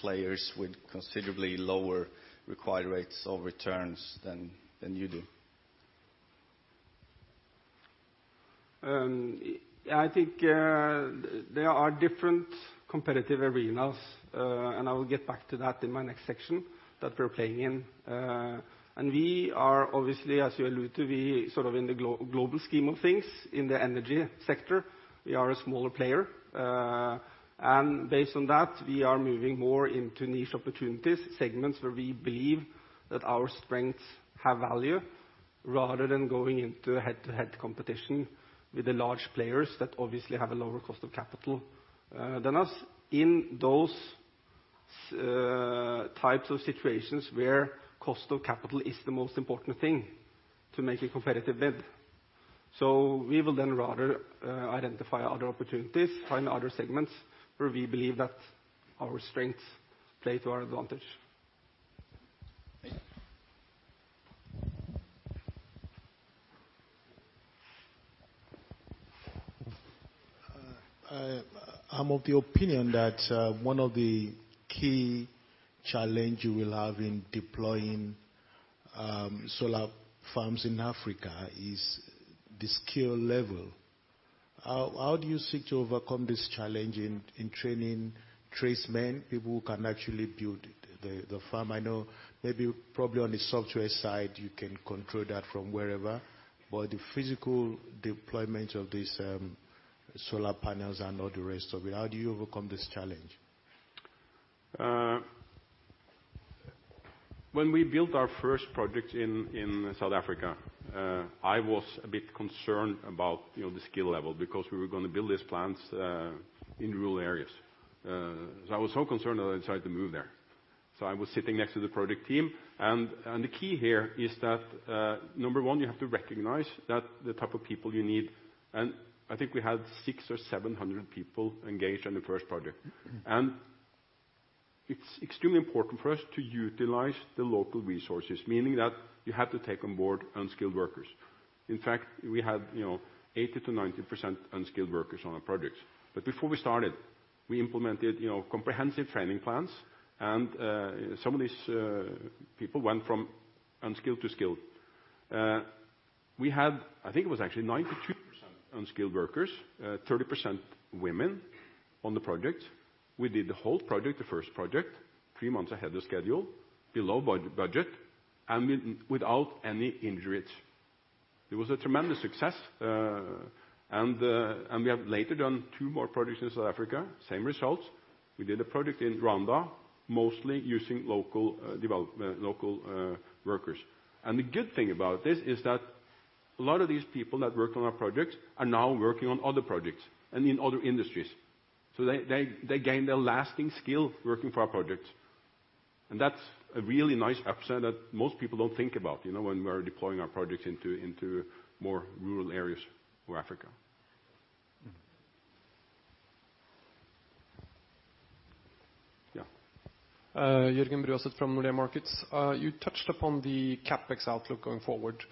players with considerably lower required rates of returns than you do. I think there are different competitive arenas, and I will get back to that in my next section, that we're playing in. We are obviously, as you allude to, we sort of in the global scheme of things, in the energy sector, we are a smaller player. Based on that, we are moving more into niche opportunities, segments where we believe that our strengths have value, rather than going into head-to-head competition with the large players that obviously have a lower cost of capital than us in those types of situations where cost of capital is the most important thing to make a competitive bid. We will then rather identify other opportunities, find other segments where we believe that our strengths play to our advantage. Thank you. I'm of the opinion that one of the key challenge you will have in deploying solar farms in Africa is the skill level. How do you seek to overcome this challenge in training tradesmen, people who can actually build the farm? I know maybe probably on the software side, you can control that from wherever, but the physical deployment of these solar panels and all the rest of it, how do you overcome this challenge? When we built our first project in South Africa, I was a bit concerned about the skill level, because we were going to build these plants in rural areas. I was so concerned that I decided to move there. I was sitting next to the project team, and the key here is that, number 1, you have to recognize that the type of people you need, and I think we had six or 700 people engaged on the first project. It's extremely important for us to utilize the local resources, meaning that you have to take on board unskilled workers. In fact, we had 80%-90% unskilled workers on our projects. Before we started, we implemented comprehensive training plans, and some of these people went from unskilled to skilled. We had, I think it was actually 92% unskilled workers, 30% women on the project. We did the whole project, the first project, three months ahead of schedule, below budget, and without any injuries. It was a tremendous success, and we have later done two more projects in South Africa, same results. We did a project in Rwanda, mostly using local workers. The good thing about this is that a lot of these people that worked on our projects are now working on other projects and in other industries. They gained a lasting skill working for our projects, and that's a really nice upside that most people don't think about when we are deploying our projects into more rural areas of Africa. Yeah. Jørgen Braseth from Nordea Markets. You touched upon the CapEx outlook going forward.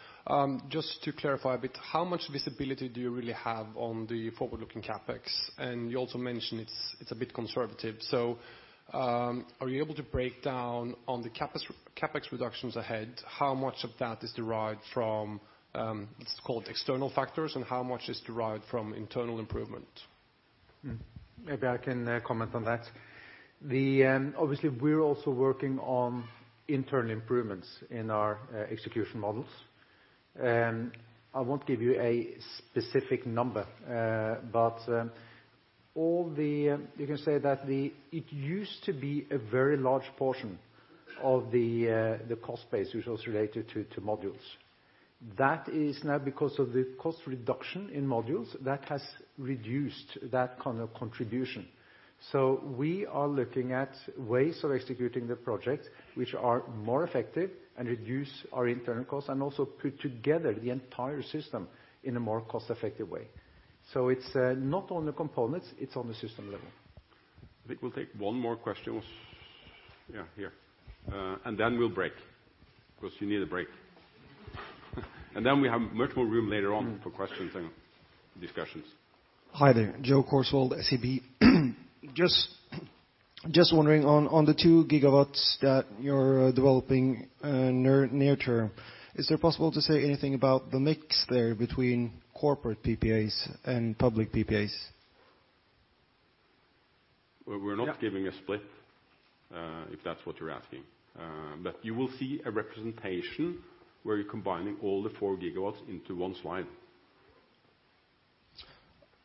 Just to clarify a bit, how much visibility do you really have on the forward-looking CapEx? You also mentioned it's a bit conservative. Are you able to break down on the CapEx reductions ahead, how much of that is derived from, let's call it external factors, and how much is derived from internal improvement? Maybe I can comment on that. Obviously, we're also working on internal improvements in our execution models. I won't give you a specific number, but you can say that it used to be a very large portion of the cost base, which was related to modules. That is now because of the cost reduction in modules, that has reduced that kind of contribution. We are looking at ways of executing the projects which are more effective and reduce our internal costs, and also put together the entire system in a more cost-effective way. It's not on the components, it's on the system level. I think we'll take one more question. Yeah, here. Then we'll break, because you need a break. Then we have much more room later on for questions and discussions. Hi there, Joachim Korsvold, SEB. Just wondering on the 2 GW that you're developing near-term, is it possible to say anything about the mix there between corporate PPAs and public PPAs? We're not giving a split, if that's what you're asking. You will see a representation where you're combining all the 4 GW into one slide.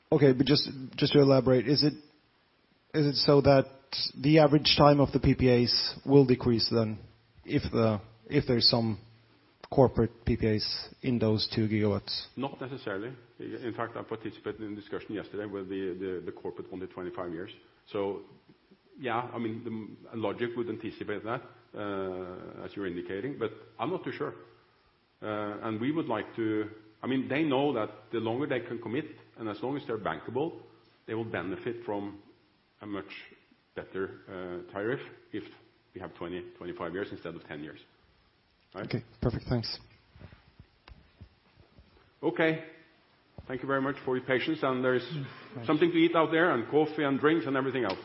Okay. Just to elaborate, is it so that the average time of the PPAs will decrease then if there's some corporate PPAs in those 2 GW? Not necessarily. In fact, I participated in a discussion yesterday where the corporate only 25 years. Yeah, logic would anticipate that, as you're indicating, but I'm not too sure. They know that the longer they can commit, and as long as they're bankable, they will benefit from a much better tariff if we have 20, 25 years instead of 10 years. Right? Okay, perfect. Thanks. Okay. Thank you very much for your patience, there is something to eat out there, and coffee and drinks and everything else.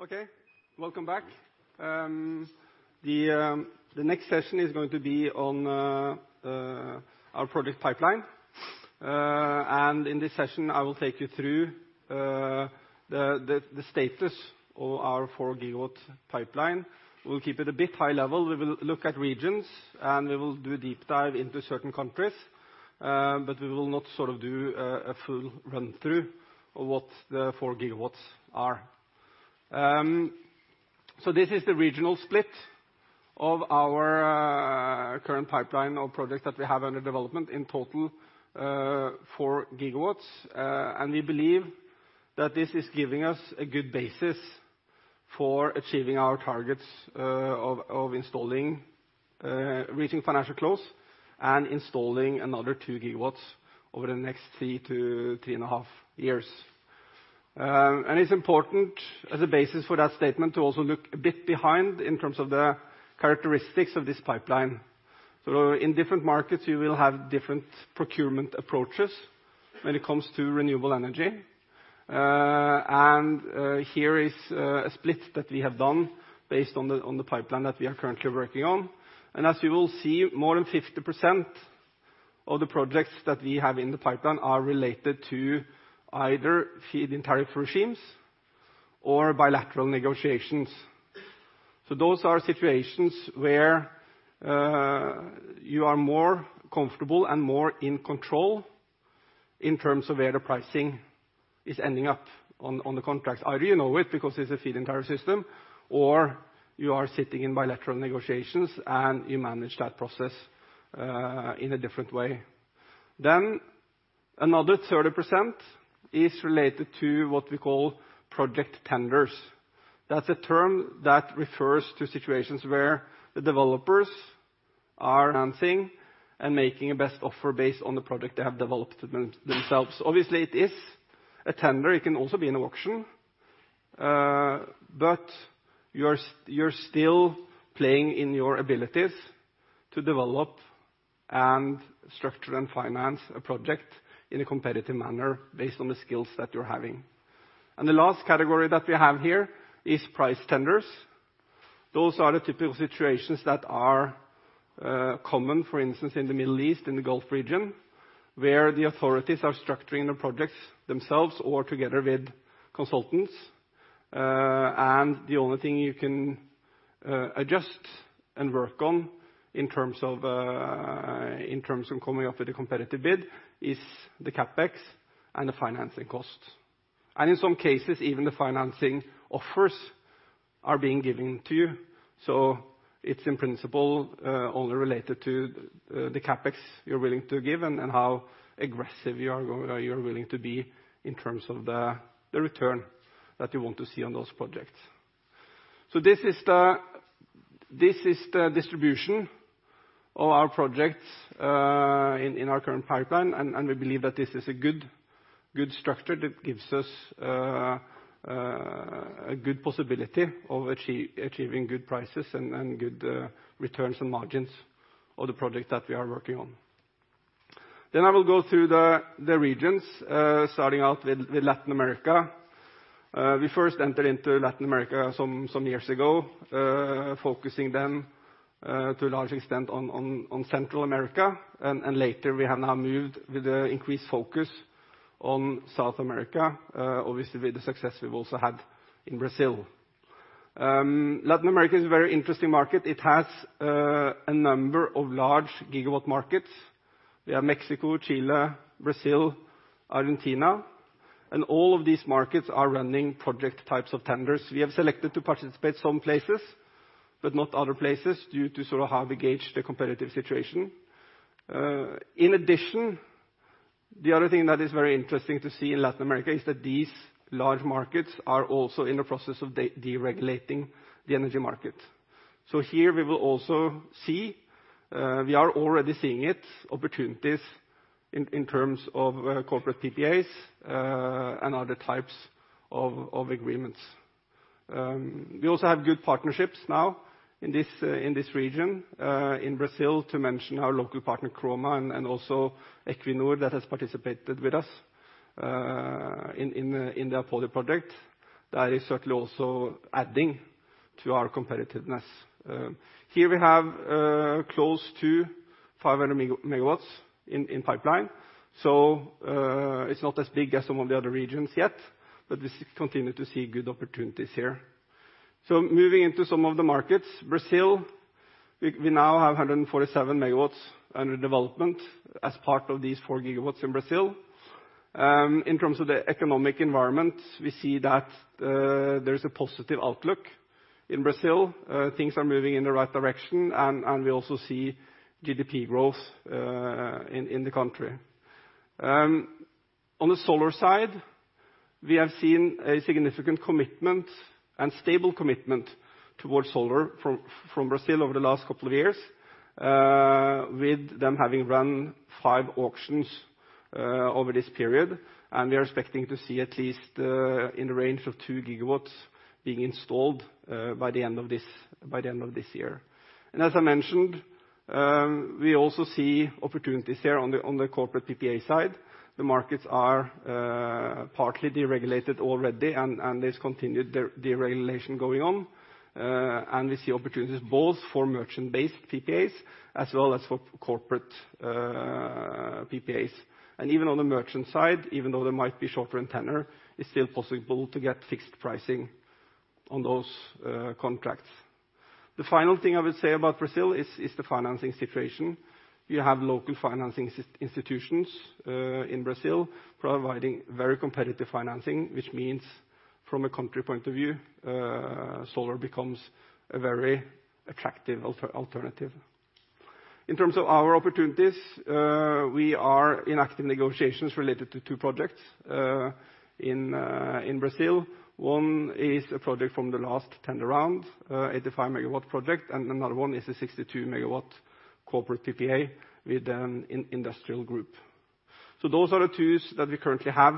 Okay. Welcome back. The next session is going to be on our project pipeline. In this session, I will take you through the status of our 4-GW pipeline. We'll keep it a bit high level. We will look at regions, and we will do a deep dive into certain countries, but we will not do a full run-through of what the 4 GW are. This is the regional split of our- current pipeline of projects that we have under development. In total, 4 GW. We believe that this is giving us a good basis for achieving our targets of reaching financial close and installing another 2 GW over the next three to three and a half years. It's important as a basis for that statement to also look a bit behind in terms of the characteristics of this pipeline. In different markets, you will have different procurement approaches when it comes to renewable energy. Here is a split that we have done based on the pipeline that we are currently working on. As you will see, more than 50% of the projects that we have in the pipeline are related to either feed-in tariff regimes or bilateral negotiations. Those are situations where you are more comfortable and more in control in terms of where the pricing is ending up on the contracts. Either you know it, because it's a feed-in tariff system, or you are sitting in bilateral negotiations, and you manage that process in a different way. Another 30% is related to what we call project tenders. That's a term that refers to situations where the developers are enhancing and making a best offer based on the project they have developed themselves. Obviously, it is a tender. It can also be an auction. You're still playing in your abilities to develop and structure and finance a project in a competitive manner based on the skills that you're having. The last category that we have here is price tenders. Those are the typical situations that are common, for instance, in the Middle East, in the Gulf region, where the authorities are structuring the projects themselves or together with consultants. The only thing you can adjust and work on in terms of coming up with a competitive bid is the CapEx and the financing costs. In some cases, even the financing offers are being given to you. It's in principle only related to the CapEx you're willing to give and how aggressive you are willing to be in terms of the return that you want to see on those projects. This is the distribution of our projects in our current pipeline, and we believe that this is a good structure that gives us a good possibility of achieving good prices and good returns and margins of the projects that we are working on. I will go through the regions, starting out with Latin America. We first entered into Latin America some years ago, focusing then to a large extent on Central America, and later we have now moved with the increased focus on South America, obviously with the success we've also had in Brazil. Latin America is a very interesting market. It has a number of large gigawatt markets. We have Mexico, Chile, Brazil, Argentina. All of these markets are running project types of tenders. We have selected to participate some places, but not other places due to sort of how we gauge the competitive situation. In addition, the other thing that is very interesting to see in Latin America is that these large markets are also in the process of deregulating the energy market. Here we will also see, we are already seeing it, opportunities in terms of corporate PPAs and other types of agreements. We also have good partnerships now in this region. In Brazil, to mention our local partner, Kroma, and also Equinor, that has participated with us in the Apodi project. That is certainly also adding to our competitiveness. Here we have close to 500 MW in pipeline. It's not as big as some of the other regions yet, but we continue to see good opportunities here. Moving into some of the markets. Brazil, we now have 147 MW under development as part of these 4 GW in Brazil. In terms of the economic environment, we see that there is a positive outlook in Brazil. Things are moving in the right direction, and we also see GDP growth in the country. On the solar side, we have seen a significant commitment and stable commitment towards solar from Brazil over the last couple of years, with them having run five auctions over this period. We are expecting to see at least in the range of 2 GW being installed by the end of this year. As I mentioned, we also see opportunities here on the corporate PPA side. The markets are partly deregulated already, and there's continued deregulation going on. We see opportunities both for merchant-based PPAs as well as for corporate PPAs. Even on the merchant side, even though they might be shorter in tenure, it's still possible to get fixed pricing on those contracts. The final thing I would say about Brazil is the financing situation. You have local financing institutions in Brazil providing very competitive financing, which means from a country point of view, solar becomes a very attractive alternative. In terms of our opportunities, we are in active negotiations related to two projects in Brazil. One is a project from the last tender round, 85-MW project, and another one is a 62-MW corporate PPA with an industrial group. Those are the two that we currently have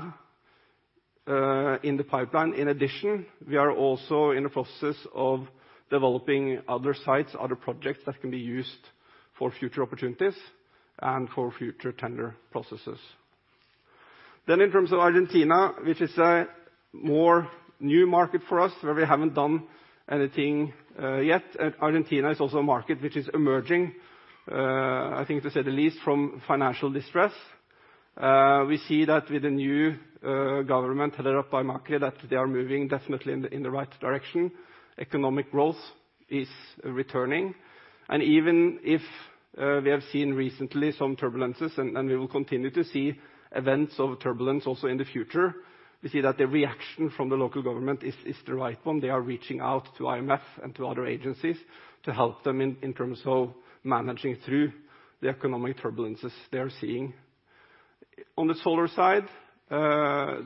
in the pipeline. In addition, we are also in the process of developing other sites, other projects that can be used for future opportunities and for future tender processes. In terms of Argentina, which is a more new market for us where we haven't done anything yet. Argentina is also a market which is emerging, I think to say the least, from financial distress. We see that with the new government headed up by Milei, that they are moving definitely in the right direction. Economic growth is returning. Even if we have seen recently some turbulences and we will continue to see events of turbulence also in the future, we see that the reaction from the local government is the right one. They are reaching out to IMF and to other agencies to help them in terms of managing through the economic turbulences they are seeing. On the solar side,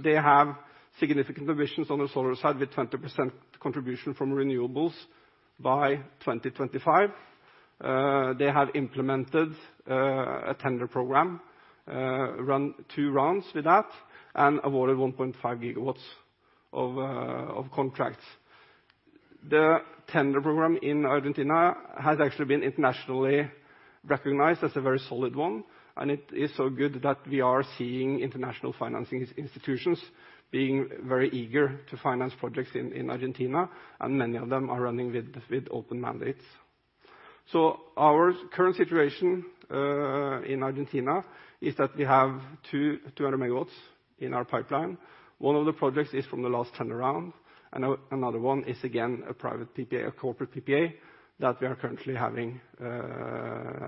they have significant provisions on the solar side with 20% contribution from renewables by 2025. They have implemented a tender program, run two rounds with that and awarded 1.5 GW of contracts. The tender program in Argentina has actually been internationally recognized as a very solid one, and it is so good that we are seeing international financing institutions being very eager to finance projects in Argentina, and many of them are running with open mandates. Our current situation in Argentina is that we have 200 MW in our pipeline. One of the projects is from the last tender round, and another one is, again, a private PPA, a corporate PPA that we are currently having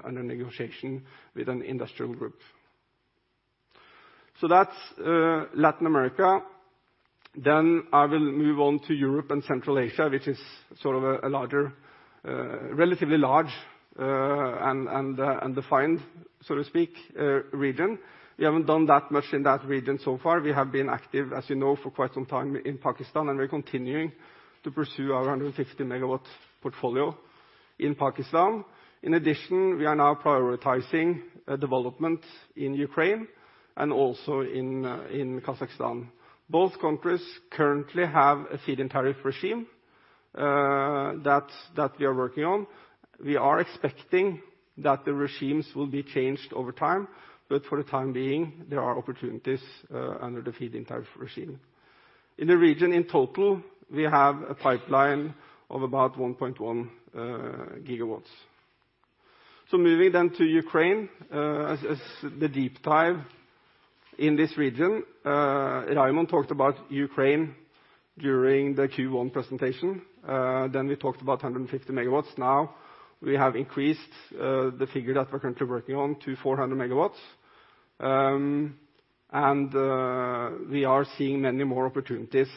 under negotiation with an industrial group. That's Latin America. I will move on to Europe and Central Asia, which is sort of a relatively large and defined, so to speak, region. We haven't done that much in that region so far. We have been active, as you know, for quite some time in Pakistan, and we're continuing to pursue our 150 MW portfolio in Pakistan. In addition, we are now prioritizing development in Ukraine and also in Kazakhstan. Both countries currently have a feed-in tariff regime that we are working on. We are expecting that the regimes will be changed over time, but for the time being, there are opportunities under the feed-in tariff regime. In the region in total, we have a pipeline of about 1.1 GW. Moving then to Ukraine as the deep dive in this region. Raymond talked about Ukraine during the Q1 presentation. We talked about 150 MW. Now we have increased the figure that we're currently working on to 400 MW. We are seeing many more opportunities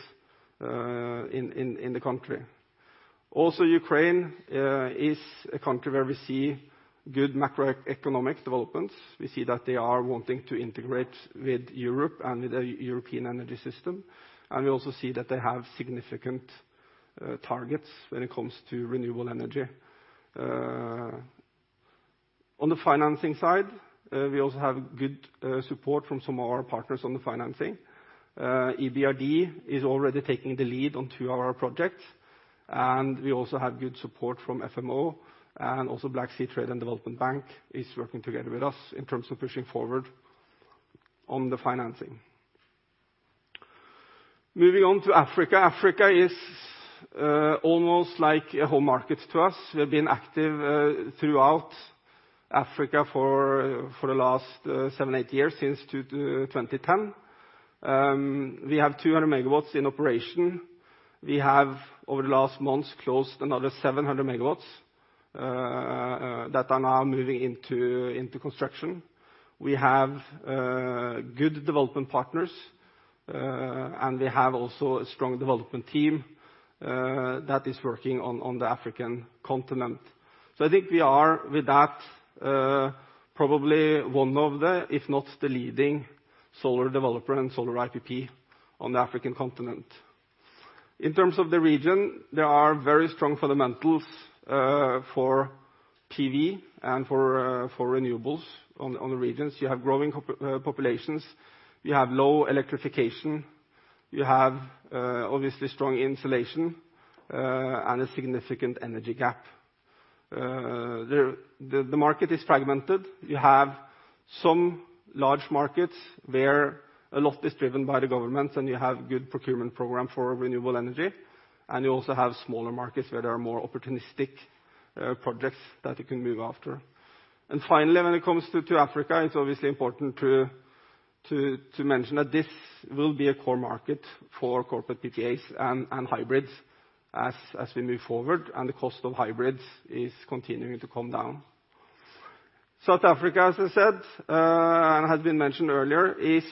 in the country. Also Ukraine is a country where we see good macroeconomic developments. We see that they are wanting to integrate with Europe and with the European energy system, and we also see that they have significant targets when it comes to renewable energy. On the financing side, we also have good support from some of our partners on the financing. EBRD is already taking the lead on two of our projects, and we also have good support from FMO. Black Sea Trade and Development Bank is working together with us in terms of pushing forward on the financing. Moving on to Africa. Africa is almost like a home market to us. We have been active throughout Africa for the last seven, eight years, since 2010. We have 200 MW in operation. We have, over the last months, closed another 700 MW that are now moving into construction. We have good development partners, and we have also a strong development team that is working on the African continent. I think we are, with that, probably one of the, if not the leading solar developer and solar IPP on the African continent. In terms of the region, there are very strong fundamentals for PV and for renewables on the regions. You have growing populations. You have low electrification. You have obviously strong insulation and a significant energy gap. The market is fragmented. You have some large markets where a lot is driven by the governments, and you have good procurement program for renewable energy. You also have smaller markets where there are more opportunistic projects that you can move after. Finally, when it comes to Africa, it's obviously important to mention that this will be a core market for corporate PPAs and hybrids as we move forward, and the cost of hybrids is continuing to come down. South Africa, as I said, and has been mentioned earlier, is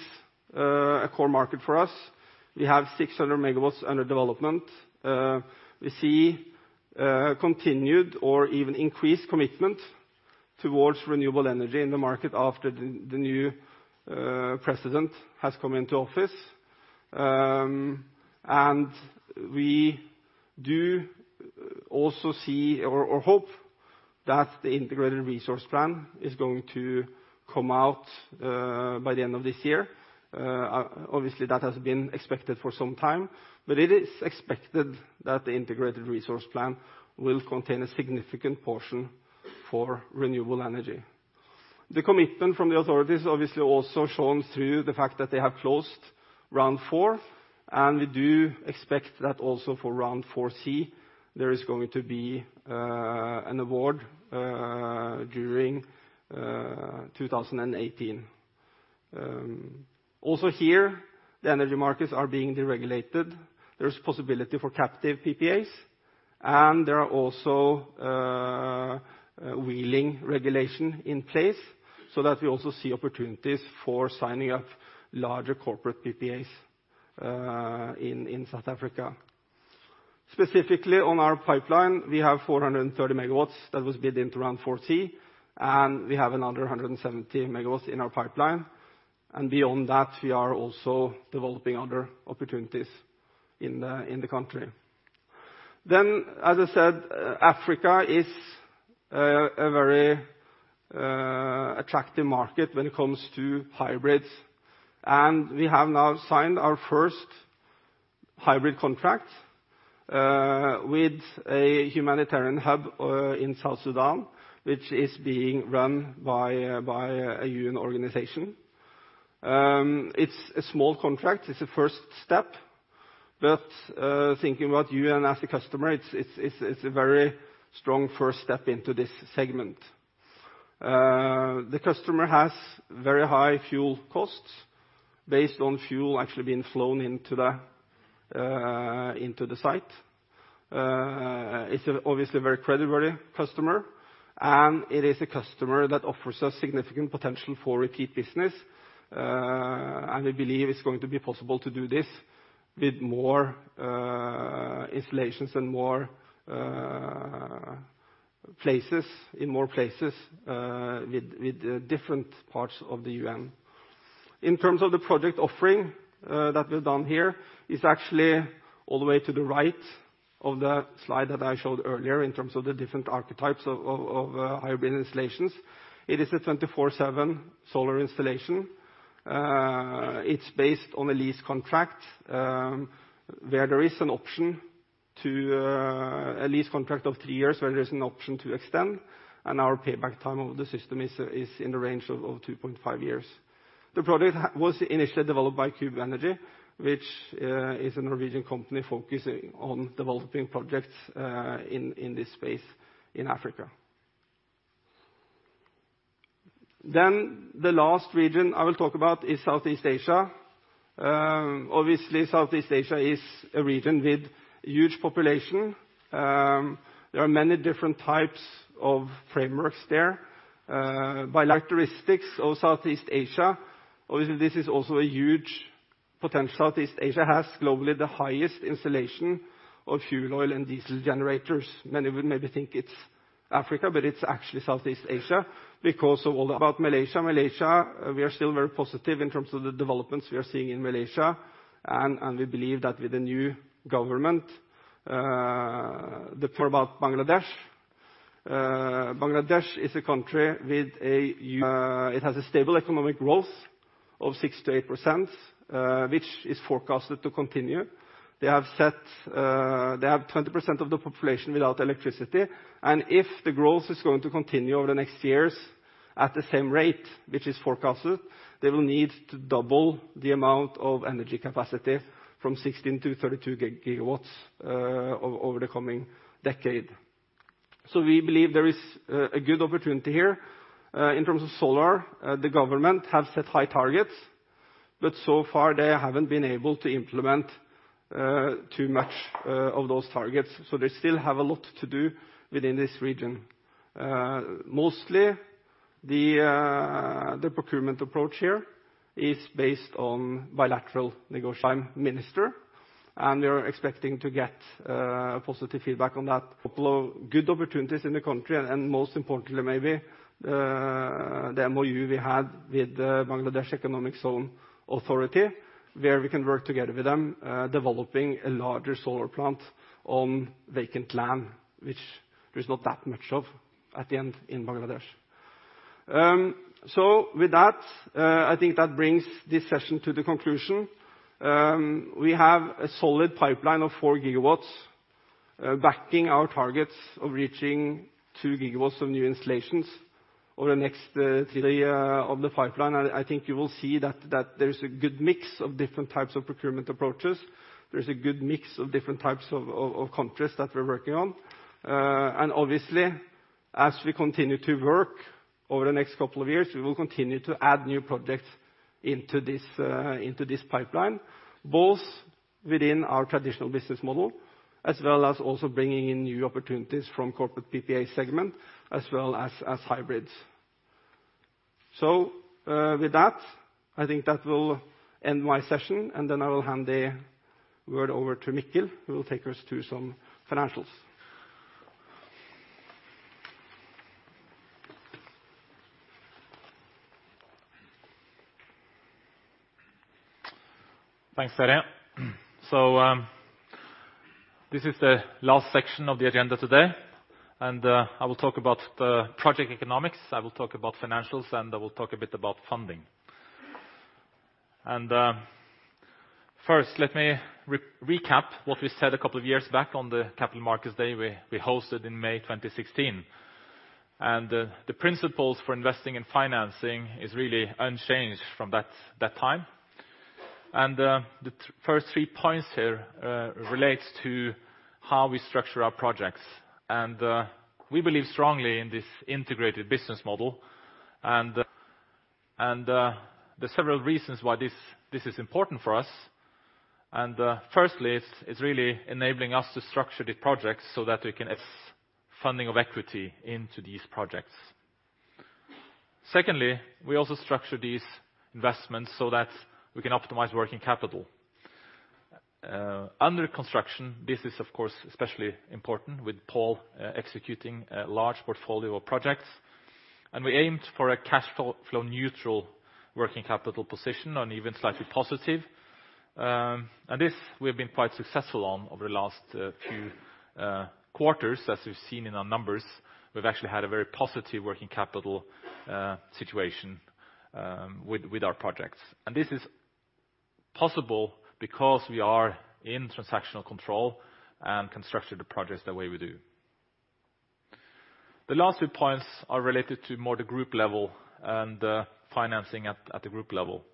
a core market for us. We have 600 MW under development. We see continued or even increased commitment towards renewable energy in the market after the new president has come into office. We do also see or hope that the Integrated Resource Plan is going to come out by the end of this year. Obviously, that has been expected for some time, but it is expected that the Integrated Resource Plan will contain a significant portion for renewable energy. The commitment from the authorities obviously also shown through the fact that they have closed Round Four. We do expect that also for Round 4C, there is going to be an award during 2018. Here, the energy markets are being deregulated. There's possibility for captive PPAs, and there are also wheeling regulation in place. We also see opportunities for signing up larger corporate PPAs in South Africa. Specifically on our pipeline, we have 430 MW that was bid into Round 4C, and we have another 170 MW in our pipeline. Beyond that, we are also developing other opportunities in the country. As I said, Africa is a very attractive market when it comes to hybrids. We have now signed our first hybrid contract with a humanitarian hub in South Sudan, which is being run by a UN organization. It's a small contract. It's a first step. Thinking about UN as a customer, it's a very strong first step into this segment. The customer has very high fuel costs based on fuel actually being flown into the site. It's obviously a very credible customer, and it is a customer that offers us significant potential for repeat business. We believe it's going to be possible to do this with more installations in more places with different parts of the UN. In terms of the project offering that we've done here, it's actually all the way to the right of the slide that I showed earlier in terms of the different archetypes of hybrid installations. It is a 24/7 solar installation. It's based on a lease contract of three years where there is an option to extend. Our payback time of the system is in the range of 2.5 years. The project was initially developed by Kube Energy, which is a Norwegian company focusing on developing projects in this space in Africa. The last region I will talk about is Southeast Asia. Southeast Asia is a region with huge population. There are many different types of frameworks there. By characteristics of Southeast Asia, obviously this is also a huge potential. Southeast Asia has globally the highest installation of fuel oil and diesel generators. Many would maybe think it's Africa, but it's actually Southeast Asia because of [all about Malaysia]. Malaysia. We are still very positive in terms of the developments we are seeing in Malaysia. We believe that with the new government, Bangladesh is a country with a huge. It has a stable economic growth of 6%-8%, which is forecasted to continue. They have 20% of the population without electricity. If the growth is going to continue over the next years at the same rate, which is forecasted, they will need to double the amount of energy capacity from 16 GW to 32 GW over the coming decade. We believe there is a good opportunity here. In terms of solar, the government have set high targets. So far they haven't been able to implement too much of those targets. They still have a lot to do within this region. Mostly, the procurement approach here is based on bilateral [negotiation] Minister. We are expecting to get positive feedback on that. Good opportunities in the country and most importantly maybe, the MOU we had with the Bangladesh Economic Zone Authority, where we can work together with them, developing a larger solar plant on vacant land, which there's not that much of at the end in Bangladesh. With that, I think that brings this session to the conclusion. We have a solid pipeline of 4 GW backing our targets of reaching 2 GW of new installations over the next three Of the pipeline. I think you will see that there is a good mix of different types of procurement approaches. There is a good mix of different types of countries that we're working on. Obviously, as we continue to work over the next couple of years, we will continue to add new projects into this pipeline, both Within our traditional business model, as well as also bringing in new opportunities from corporate PPA segment, as well as hybrids. With that, I think that will end my session, I will hand the word over to Mikkel, who will take us through some financials. Thanks, Terje. This is the last section of the agenda today, and I will talk about the project economics, I will talk about financials, and I will talk a bit about funding. First, let me recap what we said a couple of years back on the Capital Markets Day we hosted in May 2016. The principles for investing in financing is really unchanged from that time. The first three points here relates to how we structure our projects. We believe strongly in this integrated business model and there are several reasons why this is important for us. Firstly, it's really enabling us to structure the projects so that we can get funding of equity into these projects. Secondly, we also structure these investments so that we can optimize working capital. Under construction, this is of course, especially important with Pål executing a large portfolio of projects. We aimed for a cash flow neutral working capital position or even slightly positive. This we have been quite successful on over the last few quarters, as we've seen in our numbers. We've actually had a very positive working capital situation with our projects. This is possible because we are in transactional control and can structure the projects the way we do. The last two points are related to more the group level and financing at the group level.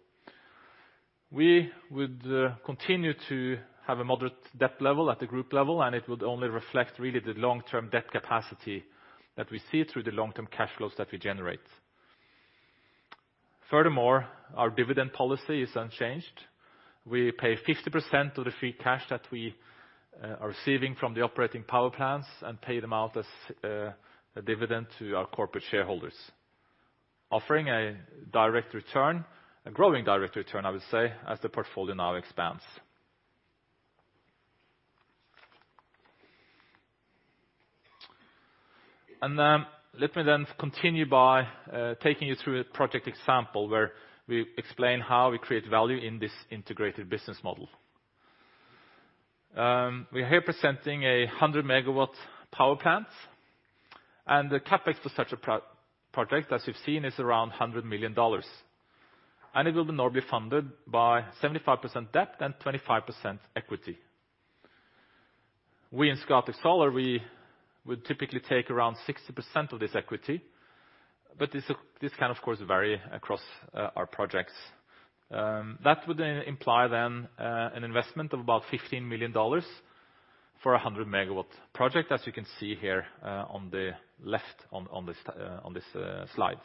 We would continue to have a moderate debt level at the group level, and it would only reflect really the long-term debt capacity that we see through the long-term cash flows that we generate. Furthermore, our dividend policy is unchanged. We pay 50% of the free cash that we are receiving from the operating power plants and pay them out as a dividend to our corporate shareholders. Offering a direct return, a growing direct return, I would say, as the portfolio now expands. Let me then continue by taking you through a project example where we explain how we create value in this integrated business model. We are here presenting a 100-MWpower plant, and the CapEx for such a project, as you've seen, is around $100 million. It will be normally funded by 75% debt and 25% equity. We in Scatec Solar, we would typically take around 60% of this equity, but this can of course, vary across our projects. That would imply then an investment of about $15 million for a 100-MW project, as you can see here on the left on this slide.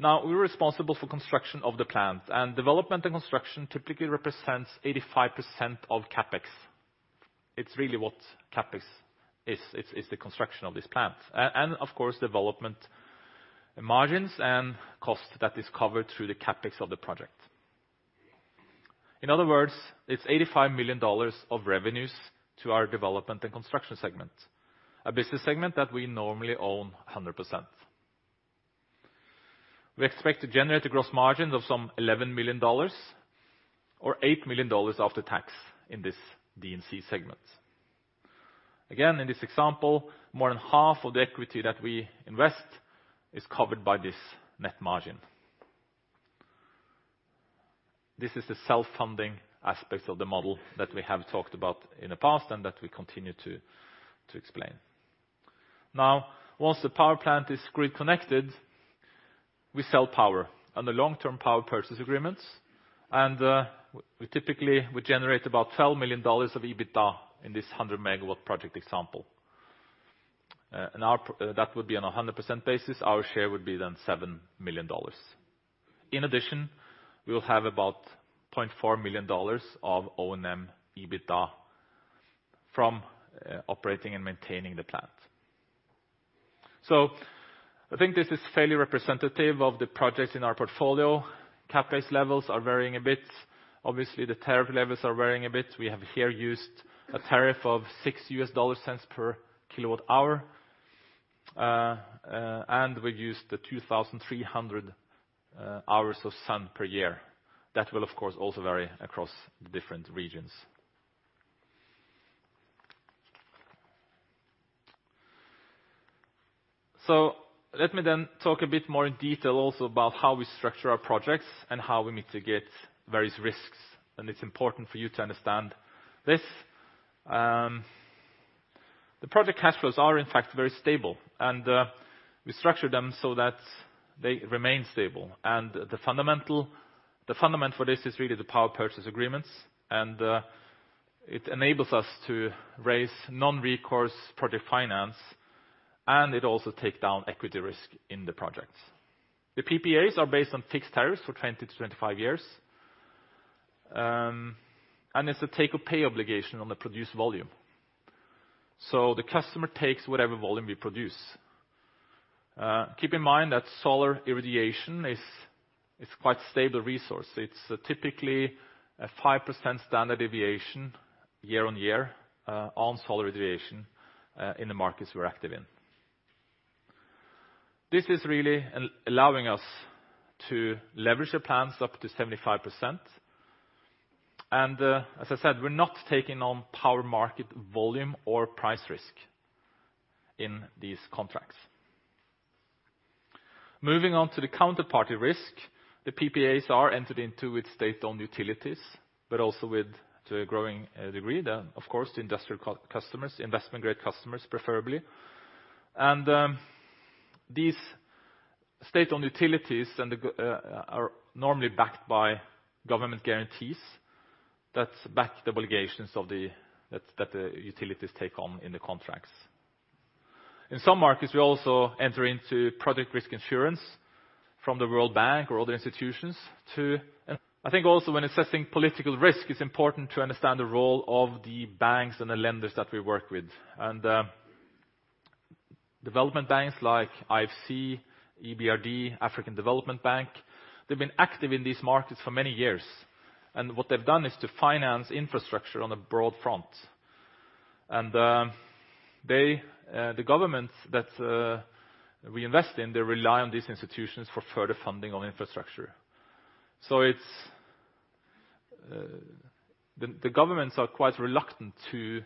We're responsible for construction of the plant and development and construction typically represents 85% of CapEx. It's really what CapEx is, it's the construction of this plant. Of course, development margins and cost that is covered through the CapEx of the project. In other words, it's $85 million of revenues to our development and construction segment. A business segment that we normally own 100%. We expect to generate a gross margin of some $11 million or $8 million after tax in this D&C segment. Again, in this example, more than half of the equity that we invest is covered by this net margin. This is the self-funding aspect of the model that we have talked about in the past and that we continue to explain. Once the power plant is grid connected, we sell power on the long-term power purchase agreements. We typically would generate about $12 million of EBITDA in this 100-MW project example. That would be on a 100% basis, our share would be then $7 million. In addition, we will have about $0.4 million of O&M EBITDA from operating and maintaining the plant. So I think this is fairly representative of the projects in our portfolio. CapEx levels are varying a bit. Obviously, the tariff levels are varying a bit. We have here used a tariff of $0.06 per kilowatt hour. We've used 2,300 hours of sun per year. That will of course, also vary across the different regions. So let me then talk a bit more in detail also about how we structure our projects and how we mitigate various risks, and it's important for you to understand this. The project cash flows are in fact very stable and we structure them so that they remain stable. The fundament for this is really the power purchase agreements. It enables us to raise non-recourse project finance, and it also takes down equity risk in the projects. The PPAs are based on fixed tariffs for 20 to 25 years, and it's a take or pay obligation on the produced volume. So the customer takes whatever volume we produce. Keep in mind that solar irradiation is quite a stable resource. It's typically a 5% standard deviation year-on-year on solar irradiation in the markets we're active in. This is really allowing us to leverage the plants up to 75%. As I said, we're not taking on power market volume or price risk in these contracts. Moving on to the counterparty risk. The PPAs are entered into with state-owned utilities, but also with, to a growing degree, of course, the industrial customers, investment-grade customers, preferably. These state-owned utilities are normally backed by government guarantees that back the obligations that the utilities take on in the contracts. In some markets, we also enter into project risk insurance from the World Bank or other institutions. I think also when assessing political risk, it's important to understand the role of the banks and the lenders that we work with. Development banks like IFC, EBRD, African Development Bank, they've been active in these markets for many years. What they've done is to finance infrastructure on a broad front. The governments that we invest in, they rely on these institutions for further funding of infrastructure. The governments are quite reluctant to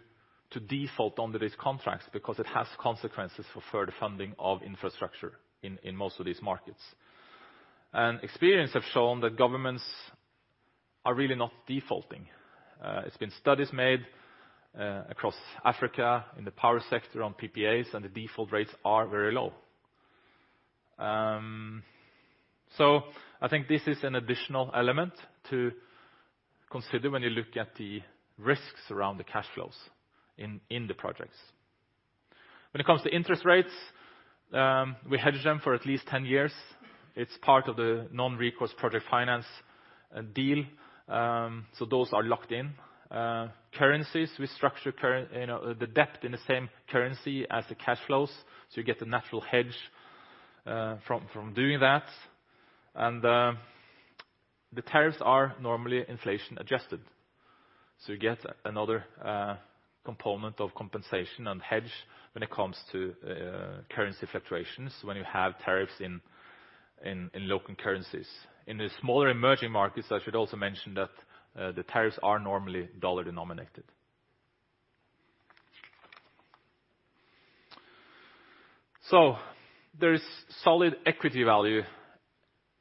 default under these contracts because it has consequences for further funding of infrastructure in most of these markets. Experience has shown that governments are really not defaulting. There's been studies made across Africa in the power sector on PPAs, and the default rates are very low. I think this is an additional element to consider when you look at the risks around the cash flows in the projects. When it comes to interest rates, we hedge them for at least 10 years. It's part of the non-recourse project finance deal. Those are locked in. Currencies. We structure the debt in the same currency as the cash flows, so you get the natural hedge from doing that. The tariffs are normally inflation-adjusted. You get another component of compensation and hedge when it comes to currency fluctuations when you have tariffs in local currencies. In the smaller emerging markets, I should also mention that the tariffs are normally dollar-denominated. There is solid equity value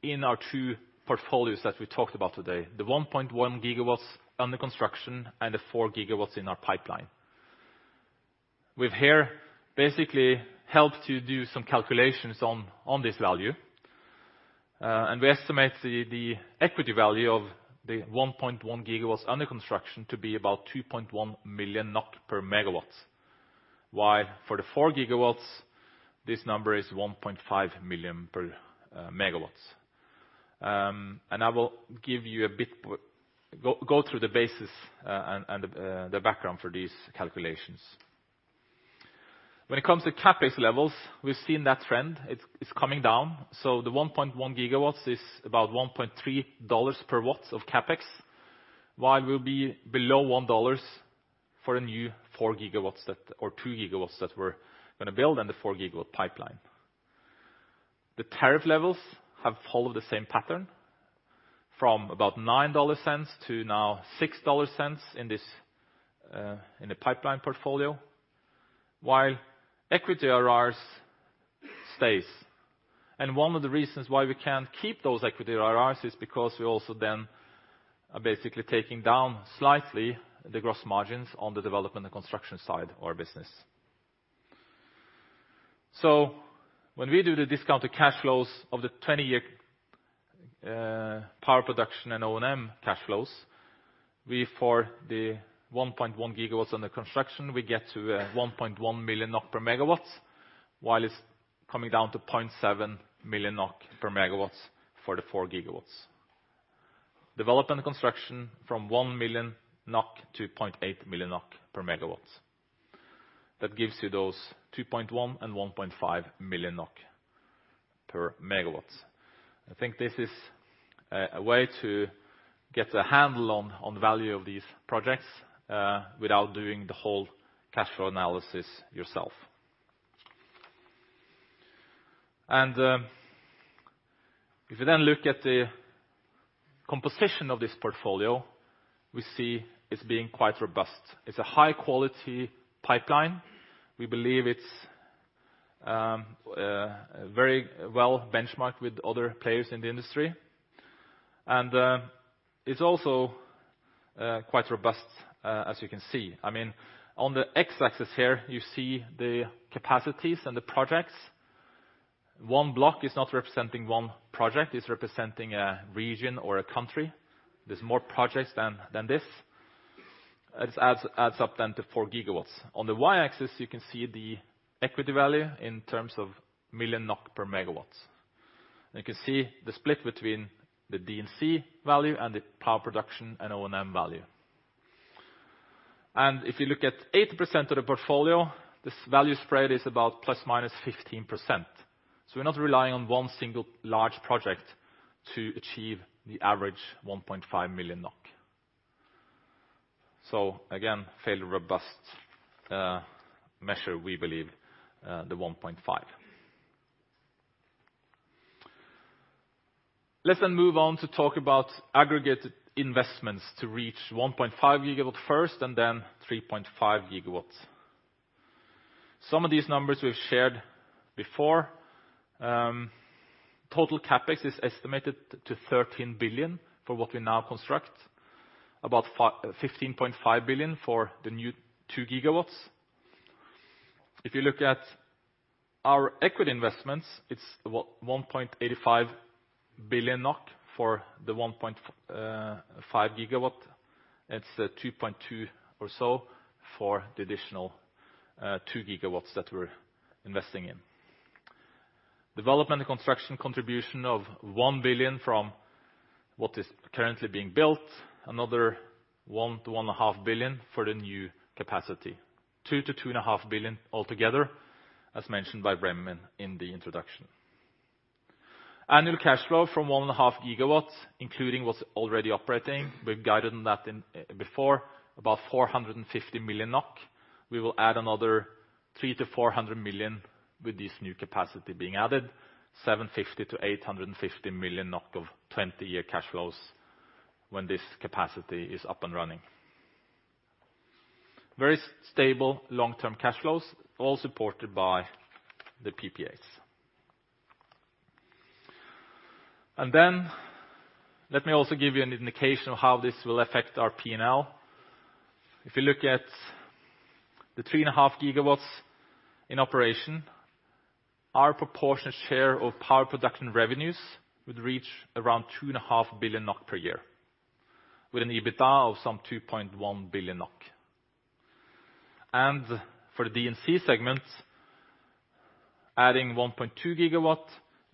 in our two portfolios that we talked about today, the 1.1 GW under construction and the 4 GW in our pipeline. We've here basically helped to do some calculations on this value, and we estimate the equity value of the 1.1 GW under construction to be about 2.1 million NOK per megawatt, while for the 4 GW, this number is 1.5 million per megawatt. I will go through the basis and the background for these calculations. When it comes to CapEx levels, we've seen that trend. It's coming down. The 1.1 GW is about $1.3 per watt of CapEx, while we'll be below $1 for a new 4GW or 2 GW that we're going to build and the 4-GW pipeline. The tariff levels have followed the same pattern from about $0.09 to now $0.06 in the pipeline portfolio, while equity IRRs stays. One of the reasons why we can keep those equity IRRs is because we also then are basically taking down slightly the gross margins on the development and construction side of our business. When we do the discounted cash flows of the 20-year power production and O&M cash flows, for the 1.1 GW under construction, we get to 1.1 million NOK per megawatt, while it's coming down to 0.7 million NOK per megawatt for the 4 GW. Development and construction from 1 million NOK to 0.8 million NOK per megawatt. That gives you those 2.1 and 1.5 million NOK per megawatt. I think this is a way to get a handle on the value of these projects without doing the whole cash flow analysis yourself. If you then look at the composition of this portfolio, we see it's being quite robust. It's a high-quality pipeline. We believe it's very well benchmarked with other players in the industry. It's also quite robust as you can see. On the X-axis here, you see the capacities and the projects. One block is not representing one project. It's representing a region or a country. There's more projects than this. It adds up then to 4 GW. On the Y-axis, you can see the equity value in terms of million NOK per megawatts. You can see the split between the D&C value and the power production and O&M value. If you look at 80% of the portfolio, this value spread is about plus/minus 15%. We're not relying on one single large project to achieve the average 1.5 million NOK. Again, fairly robust measure, we believe, the 1.5. Let's move on to talk about aggregate investments to reach 1.5 GW first and then 3.5 GW. Some of these numbers we've shared before. Total CapEx is estimated to 13 billion for what we now construct. About 15.5 billion for the new 2 GW. If you look at our equity investments, it's about 1.85 billion NOK for the 1.5 GW. It's 2.2 or so for the additional 2 GW that we're investing in. Development and construction contribution of 1 billion from what is currently being built, another 1 billion-1.5 billion for the new capacity. 2 billion-2.5 billion altogether, as mentioned by Raymond in the introduction. Annual cash flow from 1.5 GW, including what's already operating, we've guided on that before, about 450 million NOK. We will add another 300 million-400 million with this new capacity being added, 750 million-850 million NOK of 20-year cash flows when this capacity is up and running. Very stable long-term cash flows, all supported by the PPAs. Let me also give you an indication of how this will affect our P&L. If you look at the 3.5 GW in operation, our proportionate share of power production revenues would reach around 2.5 billion NOK per year with an EBITDA of some 2.1 billion NOK. For the D&C segment, adding 1.2 GW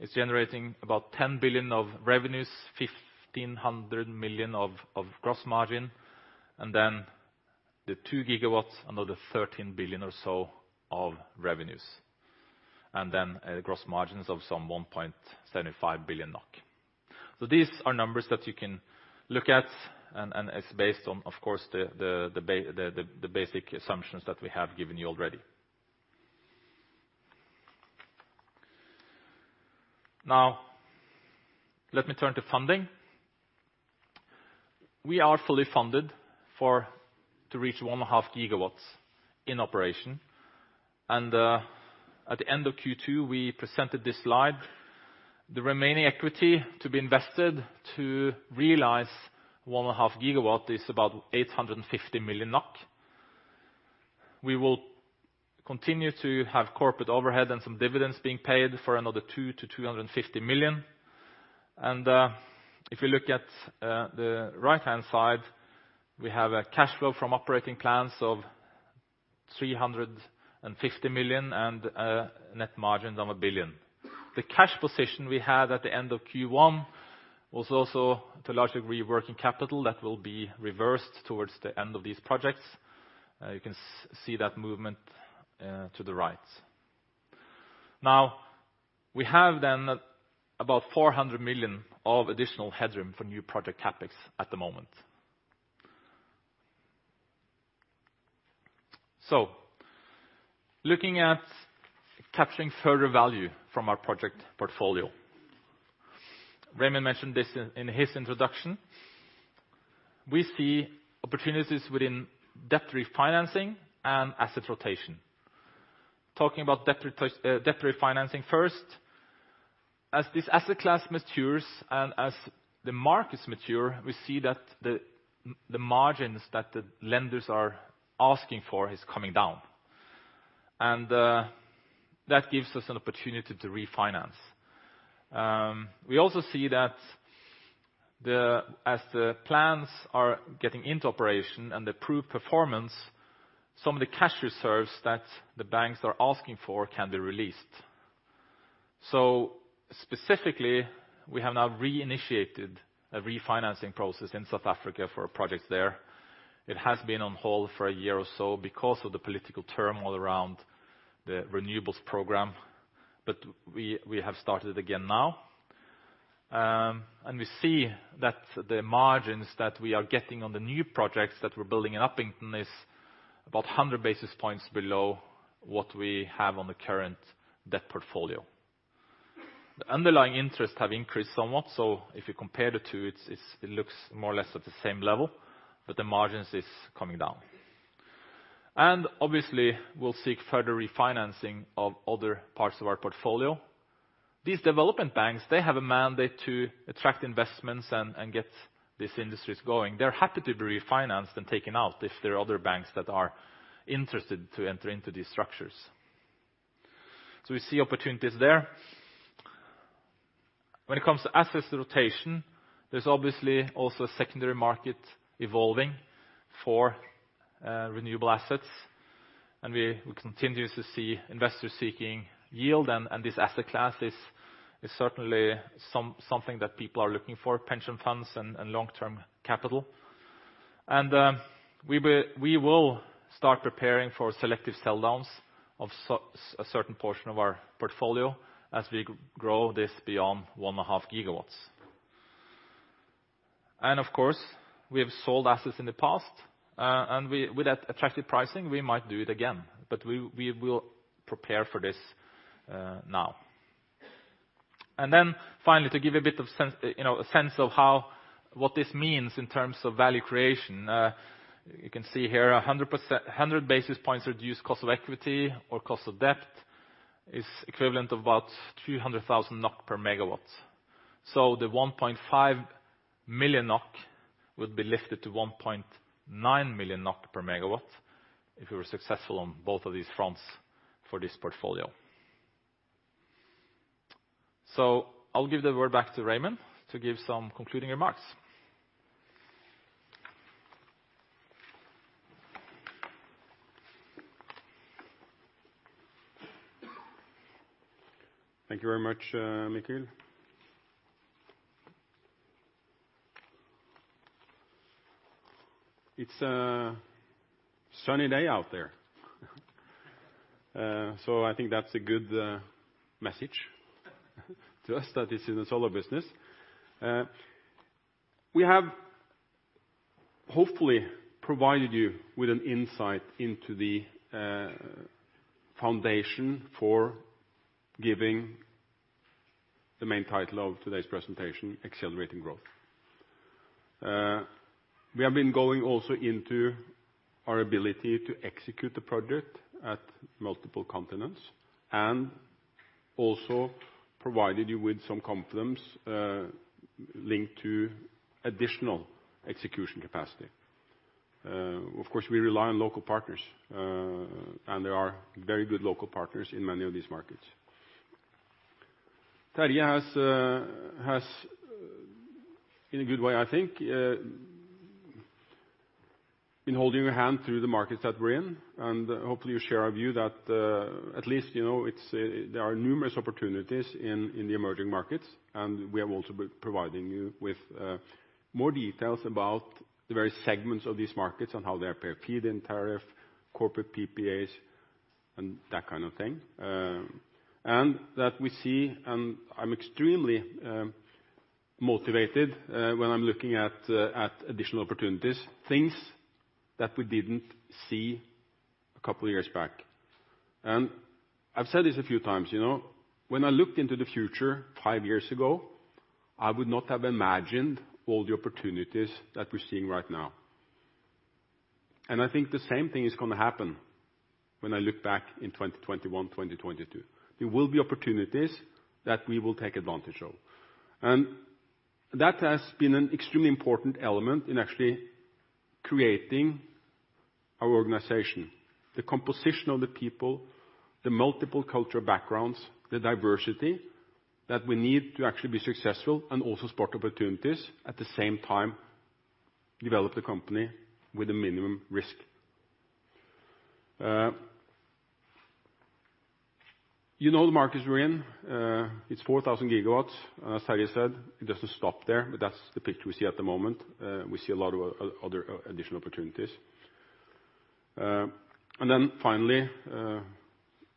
is generating about 10 billion of revenues, 1,500 million of gross margin, then the 2 GW, another 13 billion or so of revenues. Gross margins of some 1.75 billion NOK. These are numbers that you can look at, and it's based on, of course, the basic assumptions that we have given you already. Now, let me turn to funding. We are fully funded to reach 1.5 GW in operation. At the end of Q2, we presented this slide. The remaining equity to be invested to realize 1.5 GW is about NOK 850 million. We will continue to have corporate overhead and some dividends being paid for another 2 million-250 million. If you look at the right-hand side, we have a cash flow from operating plans of 350 million and net margins of 1 billion. The cash position we had at the end of Q1 was also to a large degree, working capital that will be reversed towards the end of these projects. You can see that movement to the right. We have about 400 million of additional headroom for new project CapEx at the moment. Looking at capturing further value from our project portfolio. Raymond mentioned this in his introduction. We see opportunities within debt refinancing and asset rotation. Talking about debt refinancing first. As this asset class matures and as the markets mature, we see that the margins that the lenders are asking for is coming down. That gives us an opportunity to refinance. We also see that as the plans are getting into operation and the approved performance, some of the cash reserves that the banks are asking for can be released. Specifically, we have now reinitiated a refinancing process in South Africa for projects there. It has been on hold for a year or so because of the political turmoil around the renewables program. We have started again now. We see that the margins that we are getting on the new projects that we're building in Upington is about 100 basis points below what we have on the current debt portfolio. The underlying interests have increased somewhat. If you compare the two, it looks more or less at the same level. The margins is coming down. Obviously, we'll seek further refinancing of other parts of our portfolio. These development banks, they have a mandate to attract investments and get these industries going. They're happy to be refinanced and taken out if there are other banks that are interested to enter into these structures. We see opportunities there. When it comes to asset rotation, there's obviously also a secondary market evolving for renewable assets. We continue to see investors seeking yield. This asset class is certainly something that people are looking for, pension funds and long-term capital. We will start preparing for selective sell downs of a certain portion of our portfolio as we grow this beyond 1.5 GW. Of course, we have sold assets in the past, and with that attractive pricing, we might do it again. We will prepare for this now. Finally, to give you a bit of a sense of what this means in terms of value creation. You can see here 100 basis points reduced cost of equity or cost of debt is equivalent of about 200,000 NOK per megawatt. The 1.5 million NOK would be lifted to 1.9 million NOK per megawatt if we were successful on both of these fronts for this portfolio. I'll give the word back to Raymond to give some concluding remarks. Thank you very much, Mikkel. It's a sunny day out there. I think that's a good message to us that it's in the solar business. We have hopefully provided you with an insight into the foundation for giving the main title of today's presentation, Accelerating Growth. We have been going also into our ability to execute the project at multiple continents and also provided you with some confidence linked to additional execution capacity. Of course, we rely on local partners, and there are very good local partners in many of these markets. Terje has, in a good way I think, been holding your hand through the markets that we're in, hopefully you share our view that at least there are numerous opportunities in the emerging markets, and we are also providing you with more details about the very segments of these markets and how they are paid in tariff, corporate PPAs, and that kind of thing. That we see, and I'm extremely motivated when I'm looking at additional opportunities, things that we didn't see a couple of years back. I've said this a few times. When I looked into the future five years ago, I would not have imagined all the opportunities that we're seeing right now. I think the same thing is going to happen when I look back in 2021, 2022. There will be opportunities that we will take advantage of. That has been an extremely important element in actually creating our organization. The composition of the people, the multiple cultural backgrounds, the diversity that we need to actually be successful and also spot opportunities. At the same time, develop the company with a minimum risk. You know the markets we're in. It's 4,000 MW. As Terje said, it doesn't stop there, but that's the picture we see at the moment. We see a lot of other additional opportunities. Finally,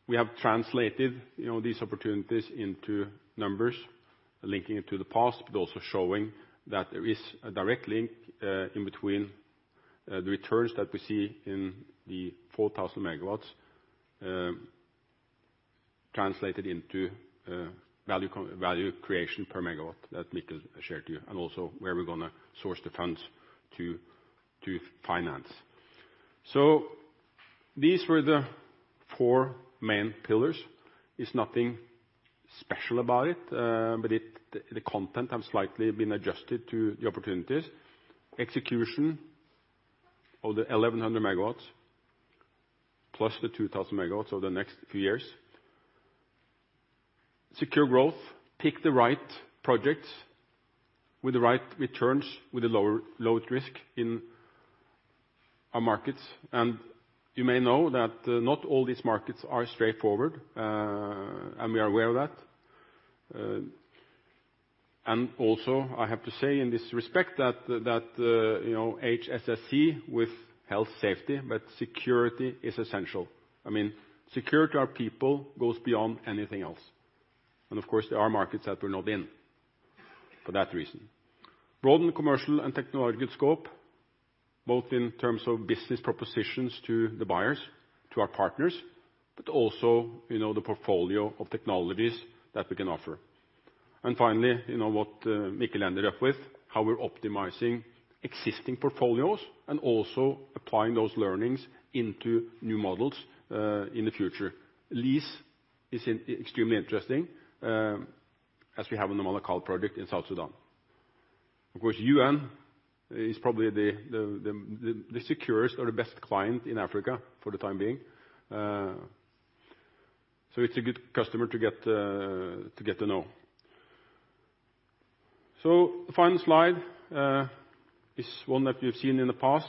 we have translated these opportunities into numbers linking it to the past, but also showing that there is a direct link in between the returns that we see in the 4,000 MW translated into value creation per megawatt that Mikkel shared to you, and also where we're going to source the funds to finance. These were the four main pillars. It's nothing special about it. The content have slightly been adjusted to the opportunities. Execution of the 1,100 MW plus the 2,000 MW over the next few years. Secure growth, pick the right projects with the right returns, with a lower risk in our markets. You may know that not all these markets are straightforward, and we are aware of that. Also, I have to say in this respect that HSSE with health safety, but security is essential. Security of our people goes beyond anything else. Of course, there are markets that we're not in for that reason. Broaden commercial and technological scope, both in terms of business propositions to the buyers, to our partners, but also the portfolio of technologies that we can offer. Finally, what Mikkel ended up with, how we're optimizing existing portfolios and also applying those learnings into new models, in the future. Release is extremely interesting, as we have in the Malakal project in South Sudan. UN is probably the securest or the best client in Africa for the time being. It's a good customer to get to know. The final slide is one that you've seen in the past.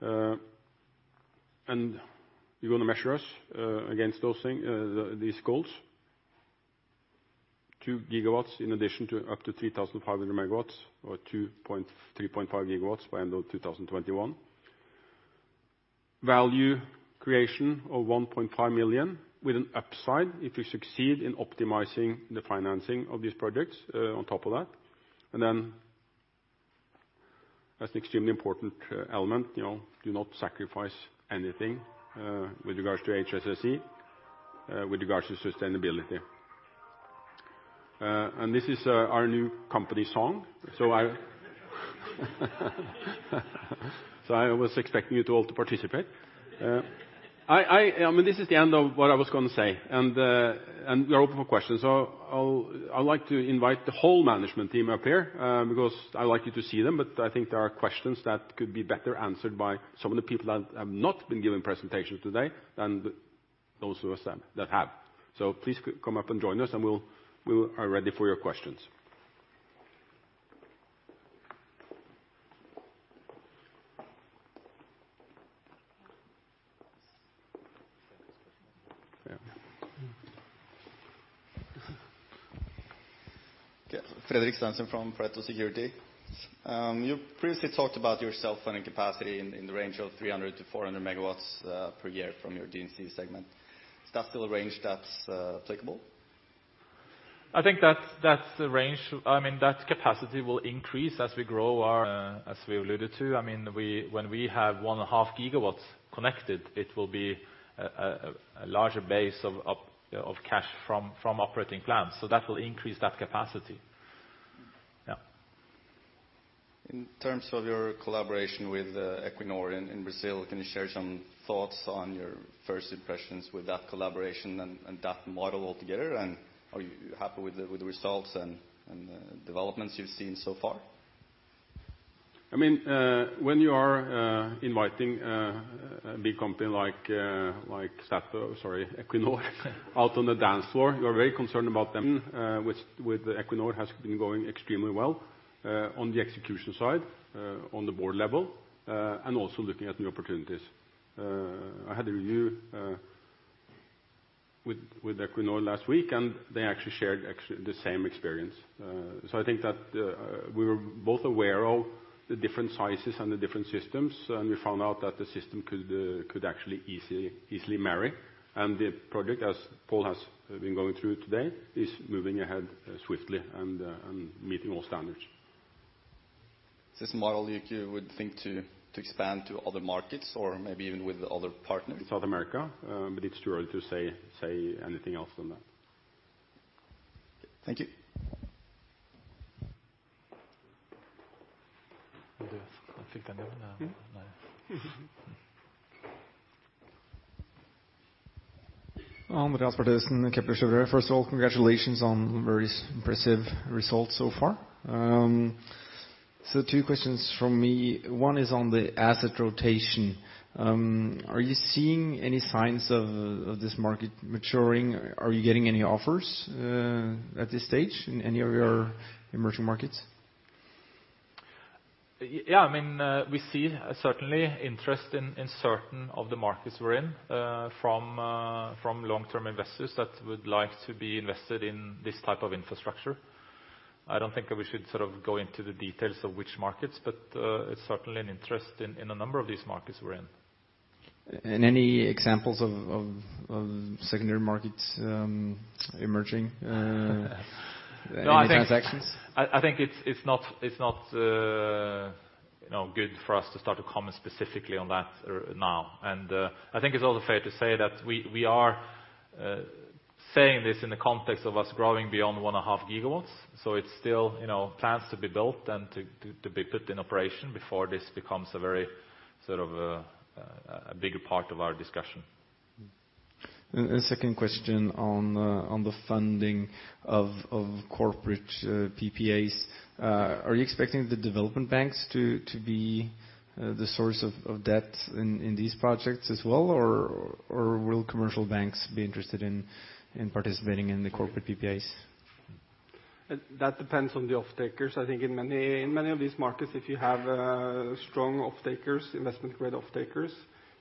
You're going to measure us against these goals. 2 GW in addition to up to 3,500 MW or 3.5 GW by end of 2021. Value creation of 1.5 million with an upside if we succeed in optimizing the financing of these projects on top of that. That's an extremely important element, do not sacrifice anything with regards to HSSE, with regards to sustainability. This is our new company song. I was expecting you to all to participate. This is the end of what I was going to say. We are open for questions. I would like to invite the whole management team up here because I'd like you to see them, but I think there are questions that could be better answered by some of the people that have not been giving presentations today than those of us that have. Please come up and join us, and we are ready for your questions. Yeah. Yeah. Okay. Fredrik Stensen from Pareto Securities. You previously talked about your self-funding capacity in the range of 300-400 MW per year from your D&C segment. Is that still a range that's applicable? I think that capacity will increase as we grow, as we alluded to. When we have 1.5 GW connected, it will be a larger base of cash from operating plants. That will increase that capacity. Yeah. In terms of your collaboration with Equinor in Brazil, can you share some thoughts on your first impressions with that collaboration and that model altogether? Are you happy with the results and developments you've seen so far? When you are inviting a big company like Statoil, sorry, Equinor out on the dance floor, you are very concerned about them. With Equinor has been going extremely well on the execution side, on the board level, and also looking at new opportunities. I had a review with Equinor last week, they actually shared the same experience. I think that we were both aware of the different sizes and the different systems, we found out that the system could actually easily marry. The project, as Pål has been going through today, is moving ahead swiftly and meeting all standards. Is this a model you would think to expand to other markets or maybe even with other partners? In South America, it's too early to say anything else than that. Thank you. I think I'm good now. Andreas Bertheussen, Kepler Cheuvreux. First of all, congratulations on very impressive results so far. Two questions from me. One is on the asset rotation. Are you seeing any signs of this market maturing? Are you getting any offers at this stage in any of your emerging markets? We see certainly interest in certain of the markets we're in from long-term investors that would like to be invested in this type of infrastructure. I don't think that we should go into the details of which markets, it's certainly an interest in a number of these markets we're in. any examples of secondary markets emerging? No, I think any transactions? I think it's not good for us to start to comment specifically on that now. I think it's also fair to say that we are saying this in the context of us growing beyond 1.5 GW, it's still plans to be built and to be put in operation before this becomes a bigger part of our discussion. Second question on the funding of corporate PPAs. Are you expecting the development banks to be the source of debt in these projects as well? Or will commercial banks be interested in participating in the corporate PPAs? That depends on the off-takers. I think in many of these markets, if you have strong off-takers, investment-grade off-takers,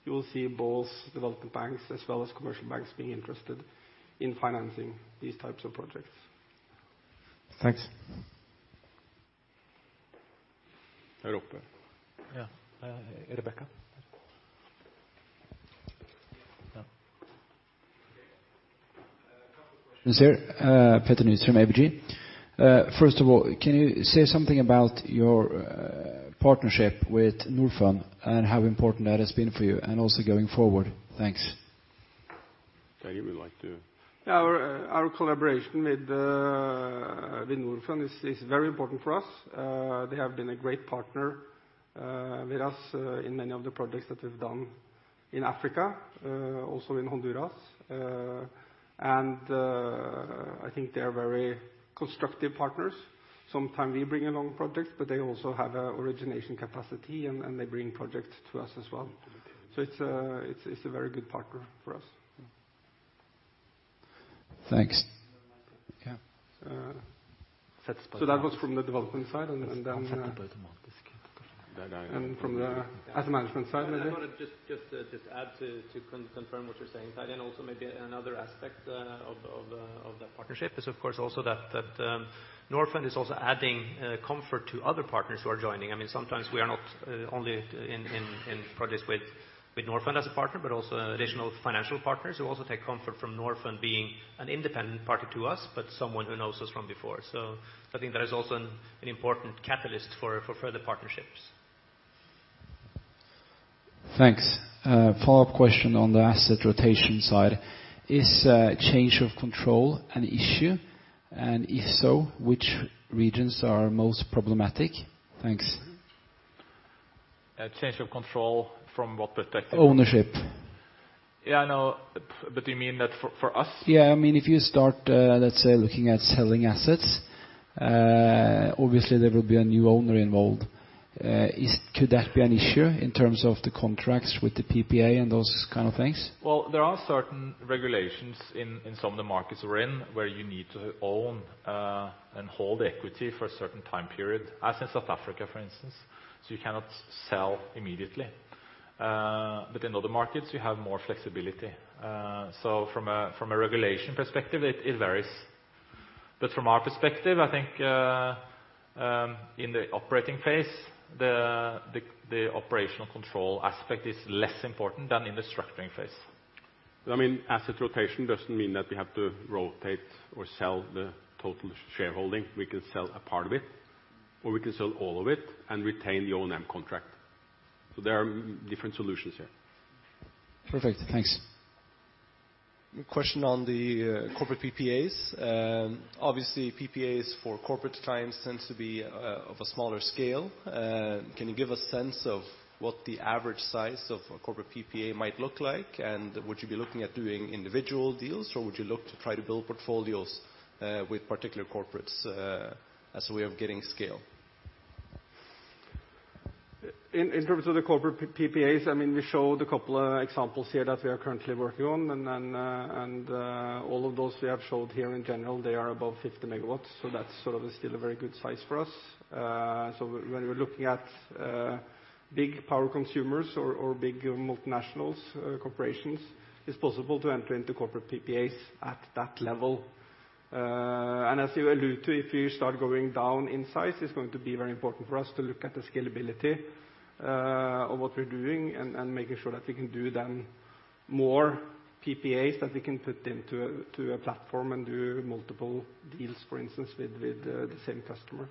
you will see both development banks as well as commercial banks being interested in financing these types of projects. Thanks. Europe. Yeah. Rebekkah? Yeah. Okay. A couple questions here. Petter Nystrøm, ABG. First of all, can you say something about your partnership with Norfund, and how important that has been for you, and also going forward? Thanks. Terje, would you like to? Yeah. Our collaboration with Norfund is very important for us. They have been a great partner with us in many of the projects that we've done in Africa, also in Honduras. I think they are very constructive partners. Sometimes we bring along projects, but they also have an origination capacity, and they bring projects to us as well. It's a very good partner for us. Thanks. That was from the development side, and then from the asset management side maybe. I want to just add to confirm what you're saying, Terje, and also maybe another aspect of that partnership is, of course, also that Norfund is also adding comfort to other partners who are joining. Sometimes we are not only in projects with Norfund as a partner, but also additional financial partners who also take comfort from Norfund being an independent party to us, but someone who knows us from before. I think that is also an important catalyst for further partnerships. Thanks. Follow-up question on the asset rotation side. Is change of control an issue? If so, which regions are most problematic? Thanks. Change of control from what perspective? Ownership. Yeah, I know. You mean that for us? Yeah. If you start, let's say, looking at selling assets, obviously there will be a new owner involved. Could that be an issue in terms of the contracts with the PPA and those kind of things? There are certain regulations in some of the markets we're in where you need to own, and hold equity for a certain time period, as in South Africa, for instance. You cannot sell immediately. In other markets, you have more flexibility. From a regulation perspective, it varies. From our perspective, I think, in the operating phase, the operational control aspect is less important than in the structuring phase. Asset rotation doesn't mean that we have to rotate or sell the total shareholding. We can sell a part of it, or we can sell all of it and retain the O&M contract. There are different solutions here. Perfect. Thanks. Question on the corporate PPAs. Obviously, PPAs for corporate clients tend to be of a smaller scale. Can you give a sense of what the average size of a corporate PPA might look like? Would you be looking at doing individual deals, or would you look to try to build portfolios with particular corporates as a way of getting scale? In terms of the corporate PPAs, we showed a couple of examples here that we are currently working on. All of those we have showed here in general, they are above 50 MW, so that's still a very good size for us. When we're looking at big power consumers or big multinationals, corporations, it's possible to enter into corporate PPAs at that level. As you allude to, if we start going down in size, it's going to be very important for us to look at the scalability of what we're doing and making sure that we can do then more PPAs that we can put into a platform and do multiple deals, for instance, with the same customer.